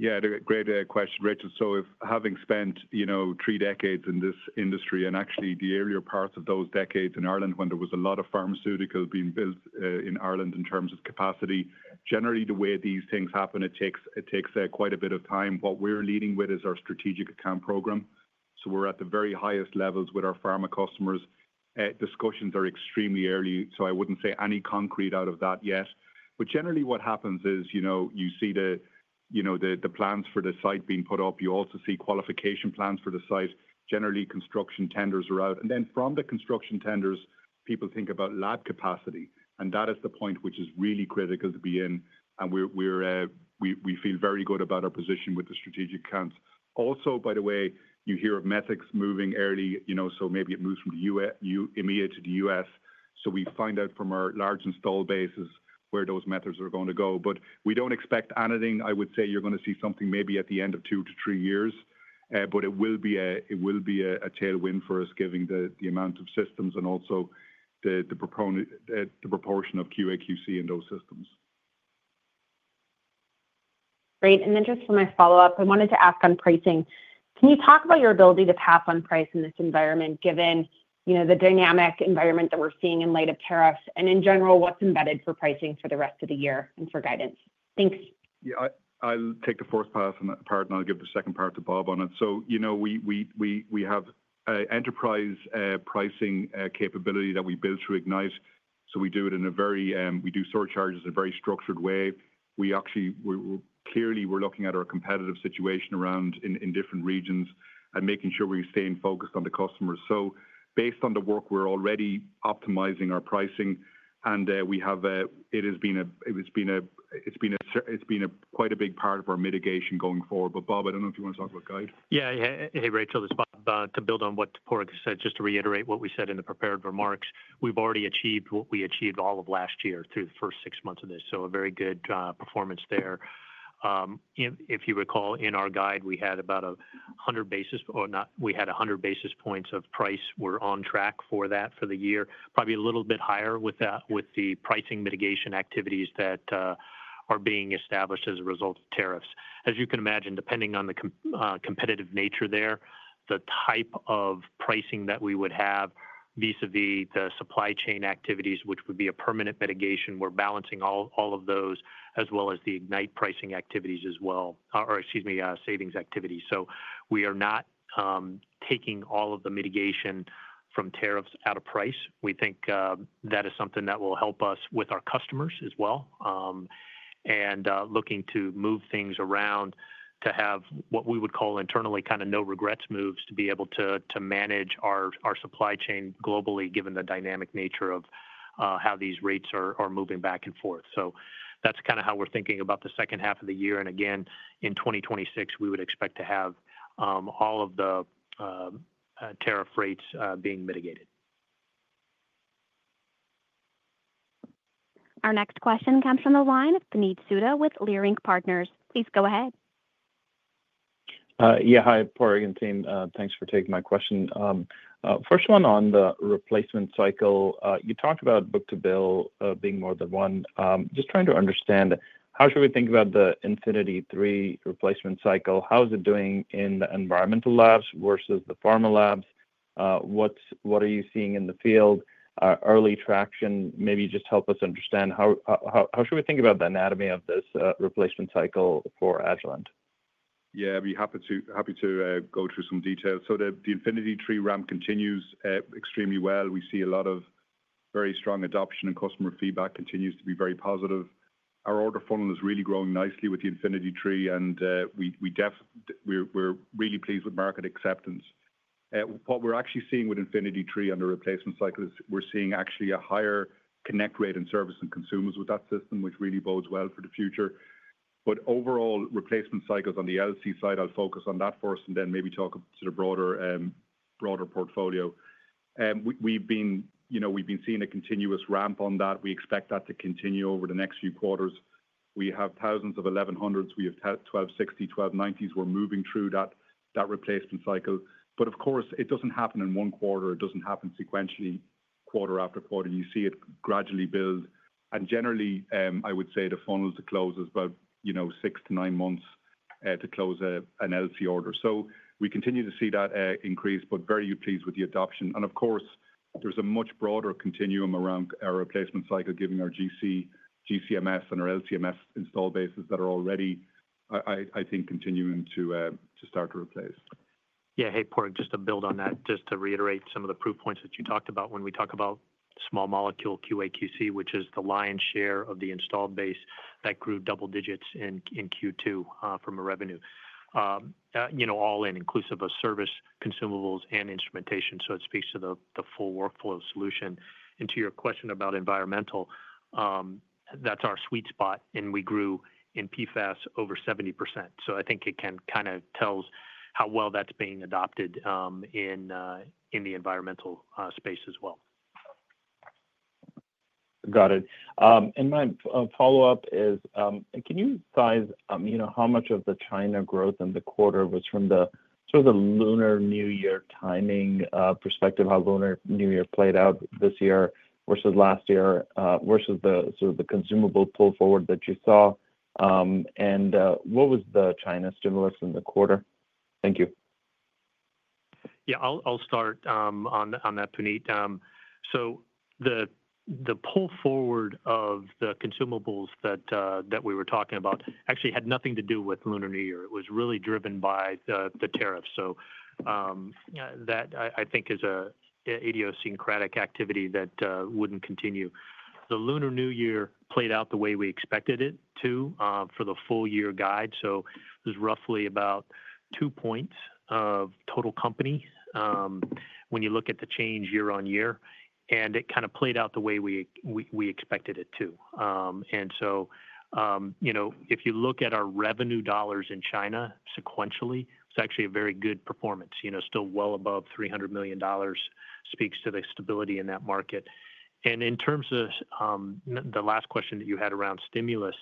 Yeah. Great question, Rachel. Having spent three decades in this industry and actually the earlier parts of those decades in Ireland when there was a lot of pharmaceutical being built in Ireland in terms of capacity, generally, the way these things happen, it takes quite a bit of time. What we're leading with is our strategic account program. We're at the very highest levels with our Pharma customers. Discussions are extremely early, so I wouldn't say any concrete out of that yet. Generally, what happens is you see the plans for the site being put up. You also see qualification plans for the site. Generally, construction tenders are out. From the construction tenders, people think about lab capacity. That is the point which is really critical to be in. We feel very good about our position with the strategic accounts. Also, by the way, you hear of methods moving early, so maybe it moves from EMEA to the U.S.. We find out from our large install bases where those methods are going to go. We do not expect anything. I would say you are going to see something maybe at the end of two to three years, but it will be a tailwind for us, given the amount of systems and also the proportion of QA/QC in those systems. Great. Just for my follow-up, I wanted to ask on pricing. Can you talk about your ability to pass on price in this environment, given the dynamic environment that we're seeing in light of tariffs? In general, what's embedded for pricing for the rest of the year and for guidance? Thanks. Yeah. I'll take the first part, and I'll give the second part to Bob on it. We have enterprise pricing capability that we build through Ignite. We do surcharges in a very structured way. Clearly, we're looking at our competitive situation around in different regions and making sure we stay focused on the customers. Based on the work, we're already optimizing our pricing, and it has been quite a big part of our mitigation going forward. Yeah. Hey, Rachel, this is Bob. To build on what Padraig said, just to reiterate what we said in the prepared remarks, we've already achieved what we achieved all of last year through the first six months of this. So a very good performance there. If you recall, in our guide, we had about 100 basis—or not, we had 100 basis points of price. We're on track for that for the year, probably a little bit higher with the pricing mitigation activities that are being established as a result of tariffs. As you can imagine, depending on the competitive nature there, the type of pricing that we would have vis-à-vis the supply chain activities, which would be a permanent mitigation, we're balancing all of those, as well as the Ignite pricing activities as well—excuse me, savings activities. We are not taking all of the mitigation from tariffs out of price. We think that is something that will help us with our customers as well. Looking to move things around to have what we would call internally kind of no regrets moves to be able to manage our supply chain globally, given the dynamic nature of how these rates are moving back and forth. That is kind of how we're thinking about the second half of the year. Again, in 2026, we would expect to have all of the tariff rates being mitigated. Our next question comes from the line of Puneet Souda with Leerink Partners. Please go ahead. Yeah. Hi, Padraig and team. Thanks for taking my question. First one on the replacement cycle, you talked about book-to-bill being more than one. Just trying to understand, how should we think about the Infinity III replacement cycle? How is it doing in the environmental labs versus the Pharma labs? What are you seeing in the field? Early traction, maybe just help us understand. How should we think about the anatomy of this replacement cycle for Agilent? Yeah. I'd be happy to go through some details. So the Infinity III ramp continues extremely well. We see a lot of very strong adoption and customer feedback continues to be very positive. Our order funnel is really growing nicely with the Infinity III, and we're really pleased with market acceptance. What we're actually seeing with Infinity III on the replacement cycle is we're seeing actually a higher connect rate and service and consumers with that system, which really bodes well for the future. Overall, replacement cycles on the LC side, I'll focus on that first and then maybe talk to the broader portfolio. We've been seeing a continuous ramp on that. We expect that to continue over the next few quarters. We have thousands of 1100s. We have 1260, 1290s. We're moving through that replacement cycle. Of course, it doesn't happen in one quarter. It doesn't happen sequentially, quarter after quarter. You see it gradually build. Generally, I would say the funnel to close is about six to nine months to close an LC order. We continue to see that increase, but very pleased with the adoption. Of course, there's a much broader continuum around our replacement cycle, giving our GCMS and our LCMS install bases that are already, I think, continuing to start to replace. Yeah. Hey, Padraig, just to build on that, just to reiterate some of the proof points that you talked about when we talk about small molecule QA/QC, which is the lion's share of the installed base that grew double digits in Q2 from a revenue, all in, inclusive of service, consumables, and instrumentation. It speaks to the full workflow solution. To your question about environmental, that's our sweet spot, and we grew in PFAS over 70%. I think it kind of tells how well that's being adopted in the environmental space as well. Got it. My follow-up is, can you decide how much of the China growth in the quarter was from the sort of the Lunar New Year timing perspective, how Lunar New Year played out this year versus last year, versus the sort of the consumable pull forward that you saw? What was the China stimulus in the quarter? Thank you. Yeah. I'll start on that, Puneet. The pull forward of the consumables that we were talking about actually had nothing to do with Lunar New Year. It was really driven by the tariffs. That, I think, is an idiosyncratic activity that would not continue. The Lunar New Year played out the way we expected it to for the full year guide. It was roughly about two points of total company when you look at the change year-on-year, and it kind of played out the way we expected it to. If you look at our revenue dollars in China sequentially, it's actually a very good performance, still well above $300 million, speaks to the stability in that market. In terms of the last question that you had around stimulus,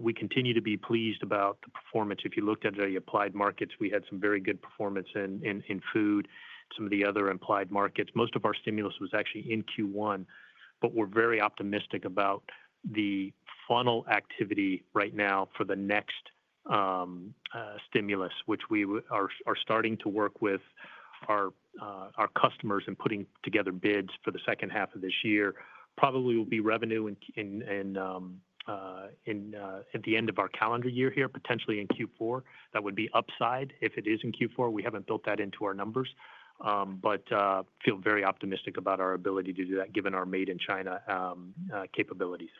we continue to be pleased about the performance. If you looked at the applied markets, we had some very good performance in food, some of the other applied markets. Most of our stimulus was actually in Q1, but we're very optimistic about the funnel activity right now for the next stimulus, which we are starting to work with our customers and putting together bids for the second half of this year. Probably will be revenue at the end of our calendar year here, potentially in Q4. That would be upside if it is in Q4. We haven't built that into our numbers, but feel very optimistic about our ability to do that, given our made-in-China capabilities.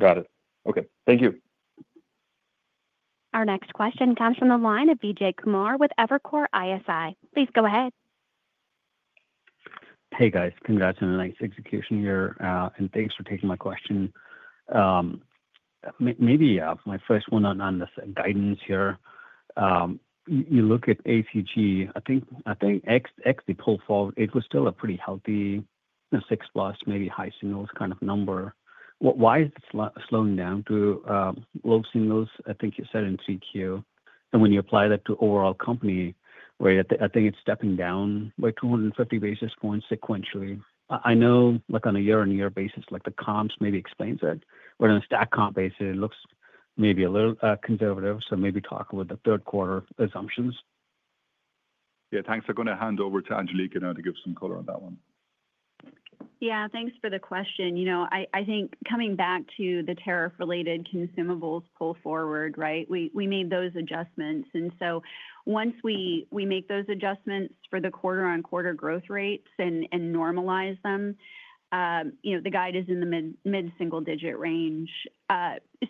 Got it. Okay. Thank you. Our next question comes from the line of Vijay Kumar with Evercore ISI. Please go ahead. Hey, guys. Congrats on the nice execution here. And thanks for taking my question. Maybe my first one on this guidance here. You look at ACG, I think actually pull forward, it was still a pretty healthy six-plus, maybe high singles kind of number. Why is it slowing down to low singles? I think you said in GQ. And when you apply that to overall company rate, I think it's stepping down by 250 basis points sequentially. I know on a year-on-year basis, the comps maybe explains it. But on a stack comp basis, it looks maybe a little conservative. So maybe talk with the third quarter assumptions. Yeah. Thanks. I'm going to hand over to Angelica now to give some color on that one. Yeah. Thanks for the question. I think coming back to the tariff-related consumables pull forward, right? We made those adjustments. And so once we make those adjustments for the quarter-on-quarter growth rates and normalize them, the guide is in the mid-single-digit range.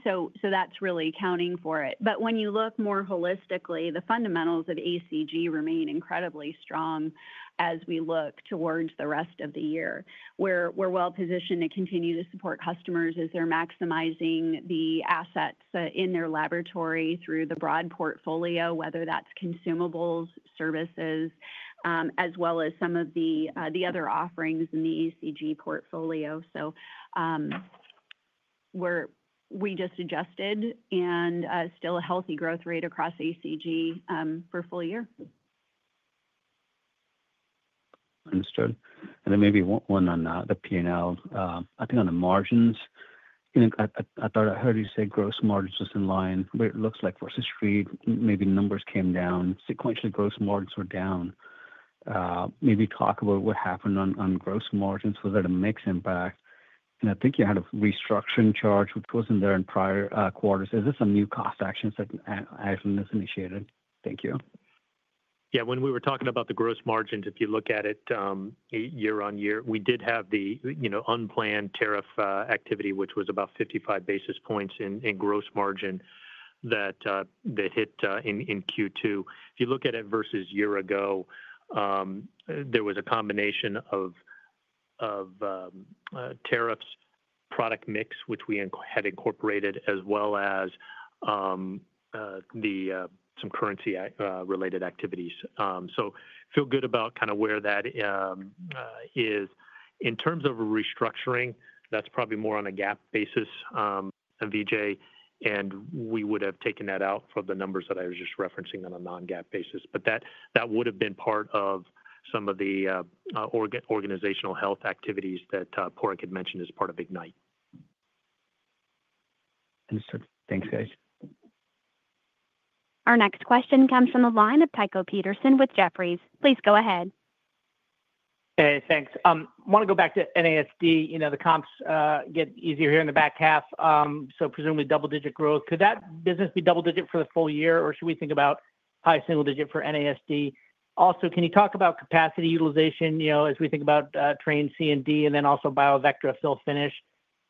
So that's really accounting for it. But when you look more holistically, the fundamentals of ACG remain incredibly strong as we look towards the rest of the year. We're well-positioned to continue to support customers as they're maximizing the assets in their laboratory through the broad portfolio, whether that's consumables, services, as well as some of the other offerings in the ACG portfolio. We just adjusted and still a healthy growth rate across ACG for full year. Understood. Maybe one on the P&L. I think on the margins, I thought I heard you say gross margins was in line, but it looks like for sixth street, maybe numbers came down. Sequentially, gross margins were down. Maybe talk about what happened on gross margins. Was that a mixed impact? I think you had a restructuring charge which wasn't there in prior quarters. Is this a new cost action that Agilent has initiated? Thank you. Yeah. When we were talking about the gross margins, if you look at it year-on-year, we did have the unplanned tariff activity, which was about 55 basis points in gross margin that hit in Q2. If you look at it versus a year ago, there was a combination of tariffs, product mix, which we had incorporated, as well as some currency-related activities. So feel good about kind of where that is. In terms of restructuring, that's probably more on a GAAP basis. And Vijay, and we would have taken that out for the numbers that I was just referencing on a non-GAAP basis. But that would have been part of some of the organizational health activities that Padraig had mentioned as part of Ignite. Understood. Thanks, guys. Our next question comes from the line of Tycho Peterson with Jefferies. Please go ahead. Hey, thanks. I want to go back to NASD. The comps get easier here in the back half. Presumably double-digit growth. Could that business be double-digit for the full year, or should we think about high single-digit for NASD? Also, can you talk about capacity utilization as we think about Trane C&D and then also BIOVECTRA Fill/Finish?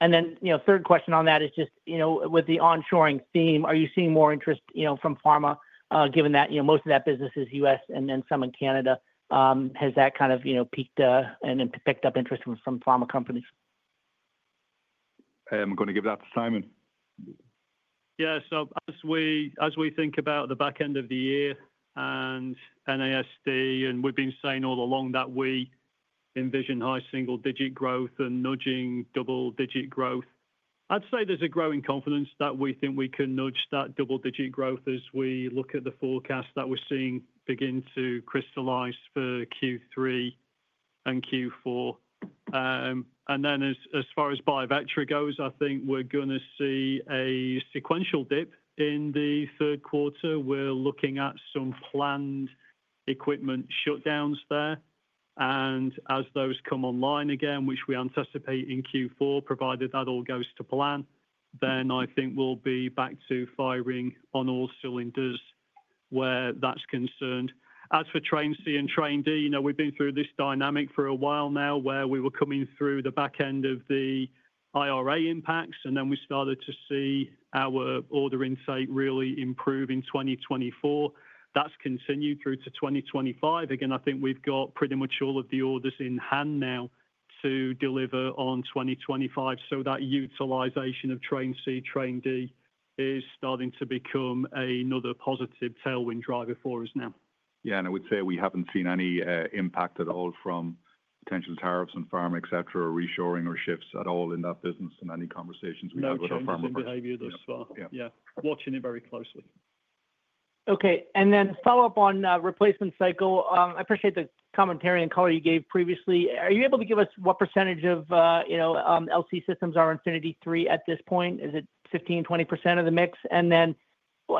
Third question on that is just with the onshoring theme, are you seeing more interest from Pharma, given that most of that business is U.S. and then some in Canada? Has that kind of peaked and picked up interest from pharma companies? I'm going to give that to Simon. Yeah. As we think about the back end of the year and NASD, and we've been saying all along that we envision high single-digit growth and nudging double-digit growth, I'd say there's a growing confidence that we think we can nudge that double-digit growth as we look at the forecast that we're seeing begin to crystallize for Q3 and Q4. As far as BIOVECTRA goes, I think we're going to see a sequential dip in the third quarter. We're looking at some planned equipment shutdowns there. As those come online again, which we anticipate in Q4, provided that all goes to plan, then I think we'll be back to firing on all cylinders where that's concerned. As for Trane C and Trane D, we've been through this dynamic for a while now where we were coming through the back end of the IRA impacts, and then we started to see our order intake really improve in 2024. That has continued through to 2025. Again, I think we've got pretty much all of the orders in hand now to deliver on 2025. That utilization of Trane C, Trane D is starting to become another positive tailwind driver for us now. Yeah. I would say we have not seen any impact at all from potential tariffs on Pharma, etc., or reshoring or shifts at all in that business in any conversations we had with our Pharma partners. Yeah. We're just observing behavior thus far. Yeah. Watching it very closely. Okay. Follow-up on replacement cycle. I appreciate the commentary and color you gave previously. Are you able to give us what percentage of LC systems are Infinity III at this point? Is it 15%-20% of the mix?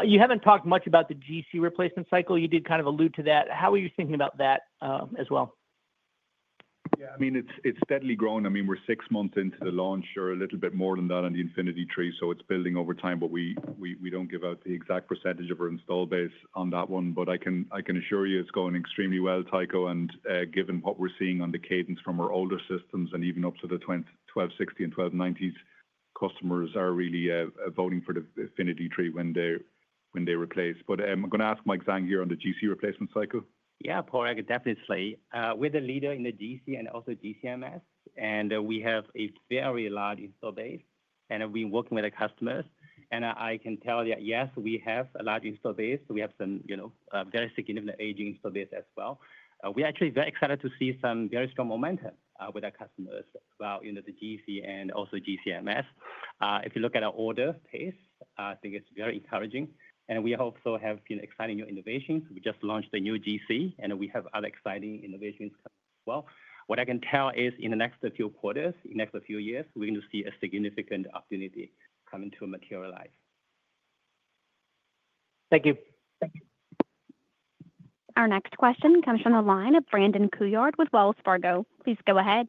You have not talked much about the GC replacement cycle. You did kind of allude to that. How are you thinking about that as well? Yeah. I mean, it is steadily growing. I mean, we are six months into the launch or a little bit more than that on the Infinity III. It is building over time, but we do not give out the exact percentage of our install base on that one. I can assure you it is going extremely well, Tycho, and given what we are seeing on the cadence from our older systems and even up to the 1260 and 1290s, customers are really voting for the Infinity III when they replace. I am going to ask Mike Zhang here on the GC replacement cycle. Yeah, Padraig, definitely. We're the leader in the GC and also GCMS, and we have a very large install base. We're working with our customers. I can tell you, yes, we have a large install base. We have some very significant aging install base as well. We're actually very excited to see some very strong momentum with our customers about the GC and also GCMS. If you look at our order pace, I think it's very encouraging. We also have been excited in new innovations. We just launched a new GC, and we have other exciting innovations as well. What I can tell is in the next few quarters, next few years, we're going to see a significant opportunity coming to materialize. Thank you. Our next question comes from the line of Brandon Couillard with Wells Fargo. Please go ahead.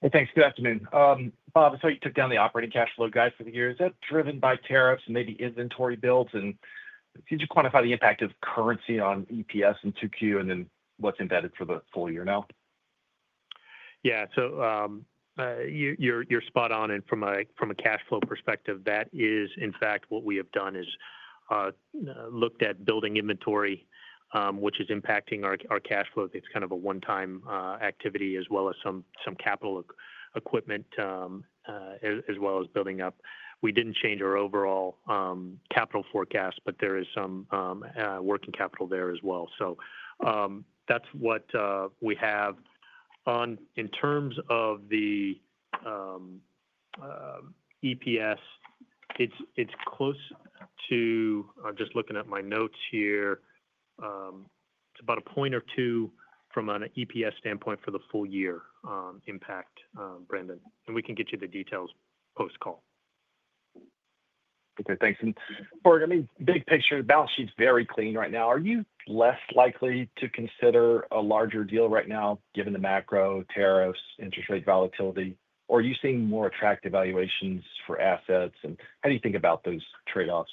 Hey, thanks. Good afternoon. Bob, I saw you took down the operating cash flow guide for the year. Is that driven by tariffs and maybe inventory builds? Could you quantify the impact of currency on EPS and 2Q, and then what's embedded for the full year now? Yeah. You're spot on. From a cash flow perspective, that is, in fact, what we have done is looked at building inventory, which is impacting our cash flow. It's kind of a one-time activity as well as some capital equipment as well as building up. We didn't change our overall capital forecast, but there is some working capital there as well. That's what we have. In terms of the EPS, it's close to—I'm just looking at my notes here—it's about a point or two from an EPS standpoint for the full year impact, Brandon. We can get you the details post-call. Okay. Thanks. And Padraig, I mean, big picture, balance sheet's very clean right now. Are you less likely to consider a larger deal right now given the macro tariffs, interest rate volatility? Are you seeing more attractive valuations for assets? How do you think about those trade-offs?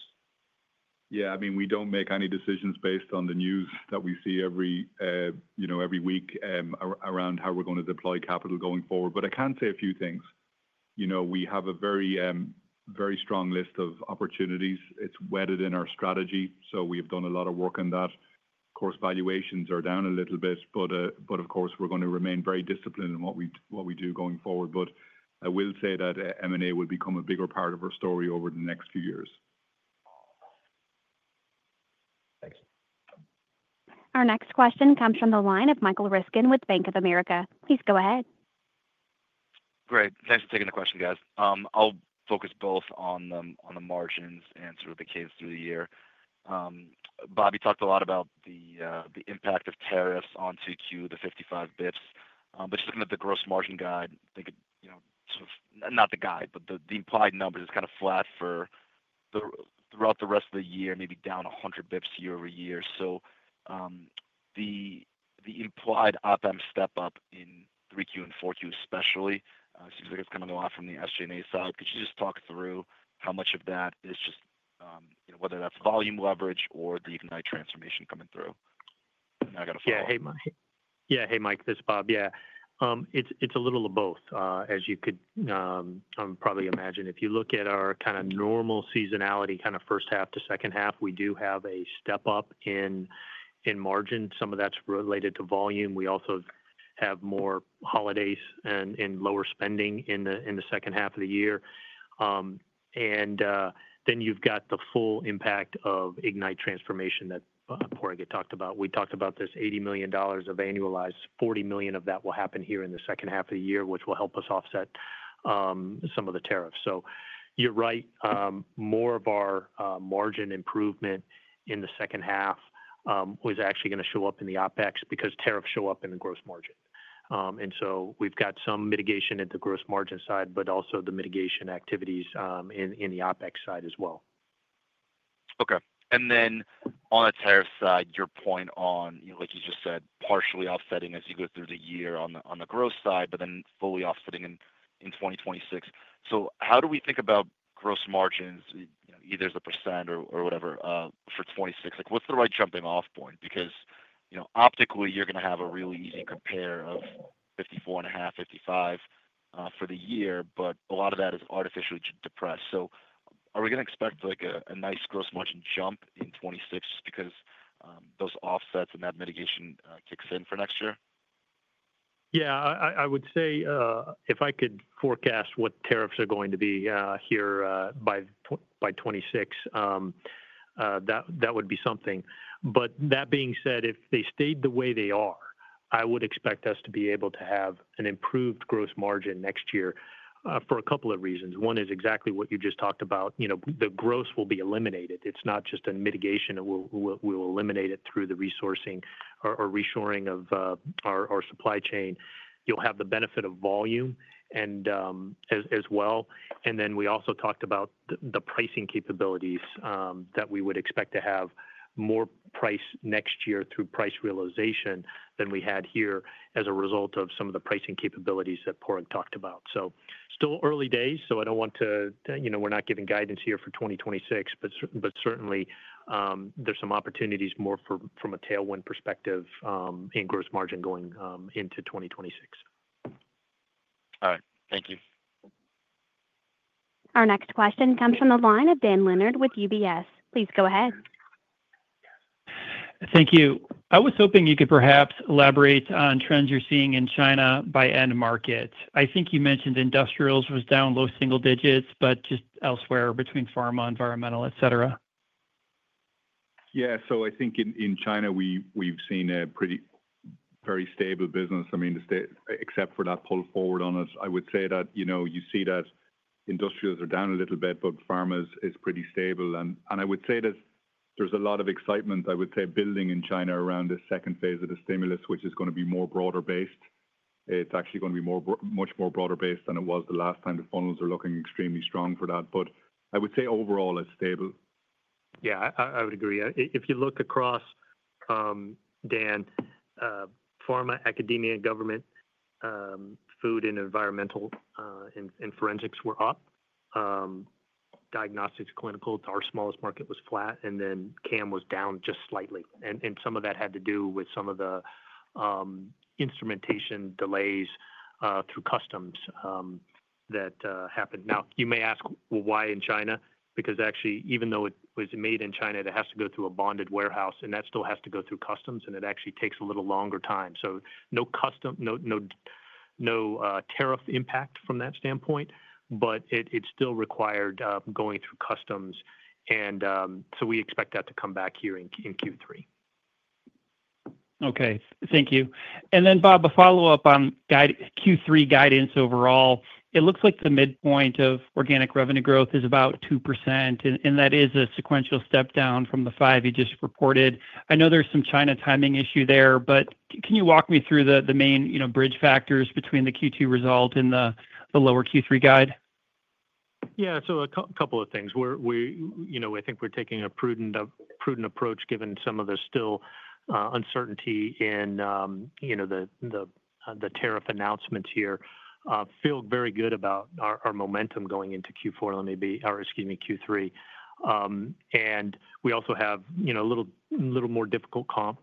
Yeah. I mean, we don't make any decisions based on the news that we see every week around how we're going to deploy capital going forward. I can say a few things. We have a very strong list of opportunities. It's wedded in our strategy. We have done a lot of work on that. Of course, valuations are down a little bit, but of course, we're going to remain very disciplined in what we do going forward. I will say that M&A will become a bigger part of our story over the next few years. Thanks. Our next question comes from the line of Michael Ryskin with Bank of America. Please go ahead. Great. Thanks for taking the question, guys. I'll focus both on the margins and sort of the case through the year. Bob, you talked a lot about the impact of tariffs on 2Q, the 55 basis points. But just looking at the gross margin guide, I think it's not the guide, but the implied numbers is kind of flat throughout the rest of the year, maybe down 100 basis points year over year. So the implied op-amp step-up in 3Q and 4Q especially seems like it's coming a lot from the SG&A side. Could you just talk through how much of that is just whether that's volume leverage or the Ignite transformation coming through? Now I got a follow-up. Yeah. Hey, Mike. Yeah. Hey, Mike. This is Bob. Yeah. It's a little of both, as you could probably imagine. If you look at our kind of normal seasonality, kind of first half to second half, we do have a step-up in margin. Some of that's related to volume. We also have more holidays and lower spending in the second half of the year. You have the full impact of Ignite transformation that Padraig had talked about. We talked about this $80 million of annualized. $40 million of that will happen here in the second half of the year, which will help us offset some of the tariffs. You're right. More of our margin improvement in the second half was actually going to show up in the OpEx because tariffs show up in the gross margin. We have got some mitigation at the gross margin side, but also the mitigation activities in the OpEx side as well. Okay. On the tariff side, your point on, like you just said, partially offsetting as you go through the year on the gross side, but then fully offsetting in 2026. How do we think about gross margins, either as a percent or whatever, for 2026? What is the right jumping-off point? Because optically, you are going to have a really easy compare of 54.5, 55 for the year, but a lot of that is artificially depressed. Are we going to expect a nice gross margin jump in 2026 just because those offsets and that mitigation kicks in for next year? Yeah. I would say if I could forecast what tariffs are going to be here by 2026, that would be something. That being said, if they stayed the way they are, I would expect us to be able to have an improved gross margin next year for a couple of reasons. One is exactly what you just talked about. The gross will be eliminated. It is not just a mitigation. We will eliminate it through the resourcing or reshoring of our supply chain. You will have the benefit of volume as well. We also talked about the pricing capabilities that we would expect to have more price next year through price realization than we had here as a result of some of the pricing capabilities that Padraig talked about. Still early days, so I do not want to—we are not giving guidance here for 2026, but certainly, there are some opportunities more from a tailwind perspective in gross margin going into 2026. All right. Thank you. Our next question comes from the line of Dan Leonard with UBS. Please go ahead. Thank you. I was hoping you could perhaps elaborate on trends you're seeing in China by end market. I think you mentioned industrials was down low single digits, but just elsewhere between Pharma, environmental, etc. Yeah. I think in China, we've seen a pretty very stable business. I mean, except for that pull forward on us, I would say that you see that industrials are down a little bit, but Pharma is pretty stable. I would say that there's a lot of excitement, I would say, building in China around the second phase of the stimulus, which is going to be more broader based. It's actually going to be much more broader based than it was the last time. The funnels are looking extremely strong for that. I would say overall, it's stable. Yeah. I would agree. If you look across, Dan, Pharma, Academia, Government, Food, and Environmental and Forensics were up. Diagnostics, Clinical, our smallest market was flat, and then CAM was down just slightly. Some of that had to do with some of the instrumentation delays through customs that happened. Now, you may ask, why in China? Because actually, even though it was made in China, it has to go through a bonded warehouse, and that still has to go through customs, and it actually takes a little longer time. No tariff impact from that standpoint, but it still required going through customs. We expect that to come back here in Q3. Okay. Thank you. And then, Bob, a follow-up on Q3 guidance overall. It looks like the midpoint of organic revenue growth is about 2%, and that is a sequential step down from the five you just reported. I know there's some China timing issue there, but can you walk me through the main bridge factors between the Q2 result and the lower Q3 guide? Yeah. A couple of things. I think we're taking a prudent approach given some of the still uncertainty in the tariff announcements here. Feel very good about our momentum going into Q4, excuse me, Q3. We also have a little more difficult comp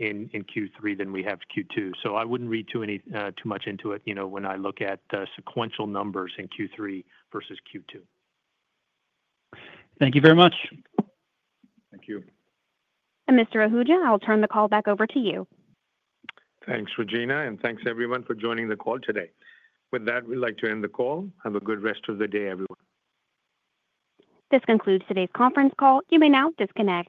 in Q3 than we have Q2. I wouldn't read too much into it when I look at sequential numbers in Q3 versus Q2. Thank you very much. Thank you. Mr. Ahuja, I'll turn the call back over to you. Thanks, Regina, and thanks everyone for joining the call today. With that, we'd like to end the call. Have a good rest of the day, everyone. This concludes today's conference call. You may now disconnect.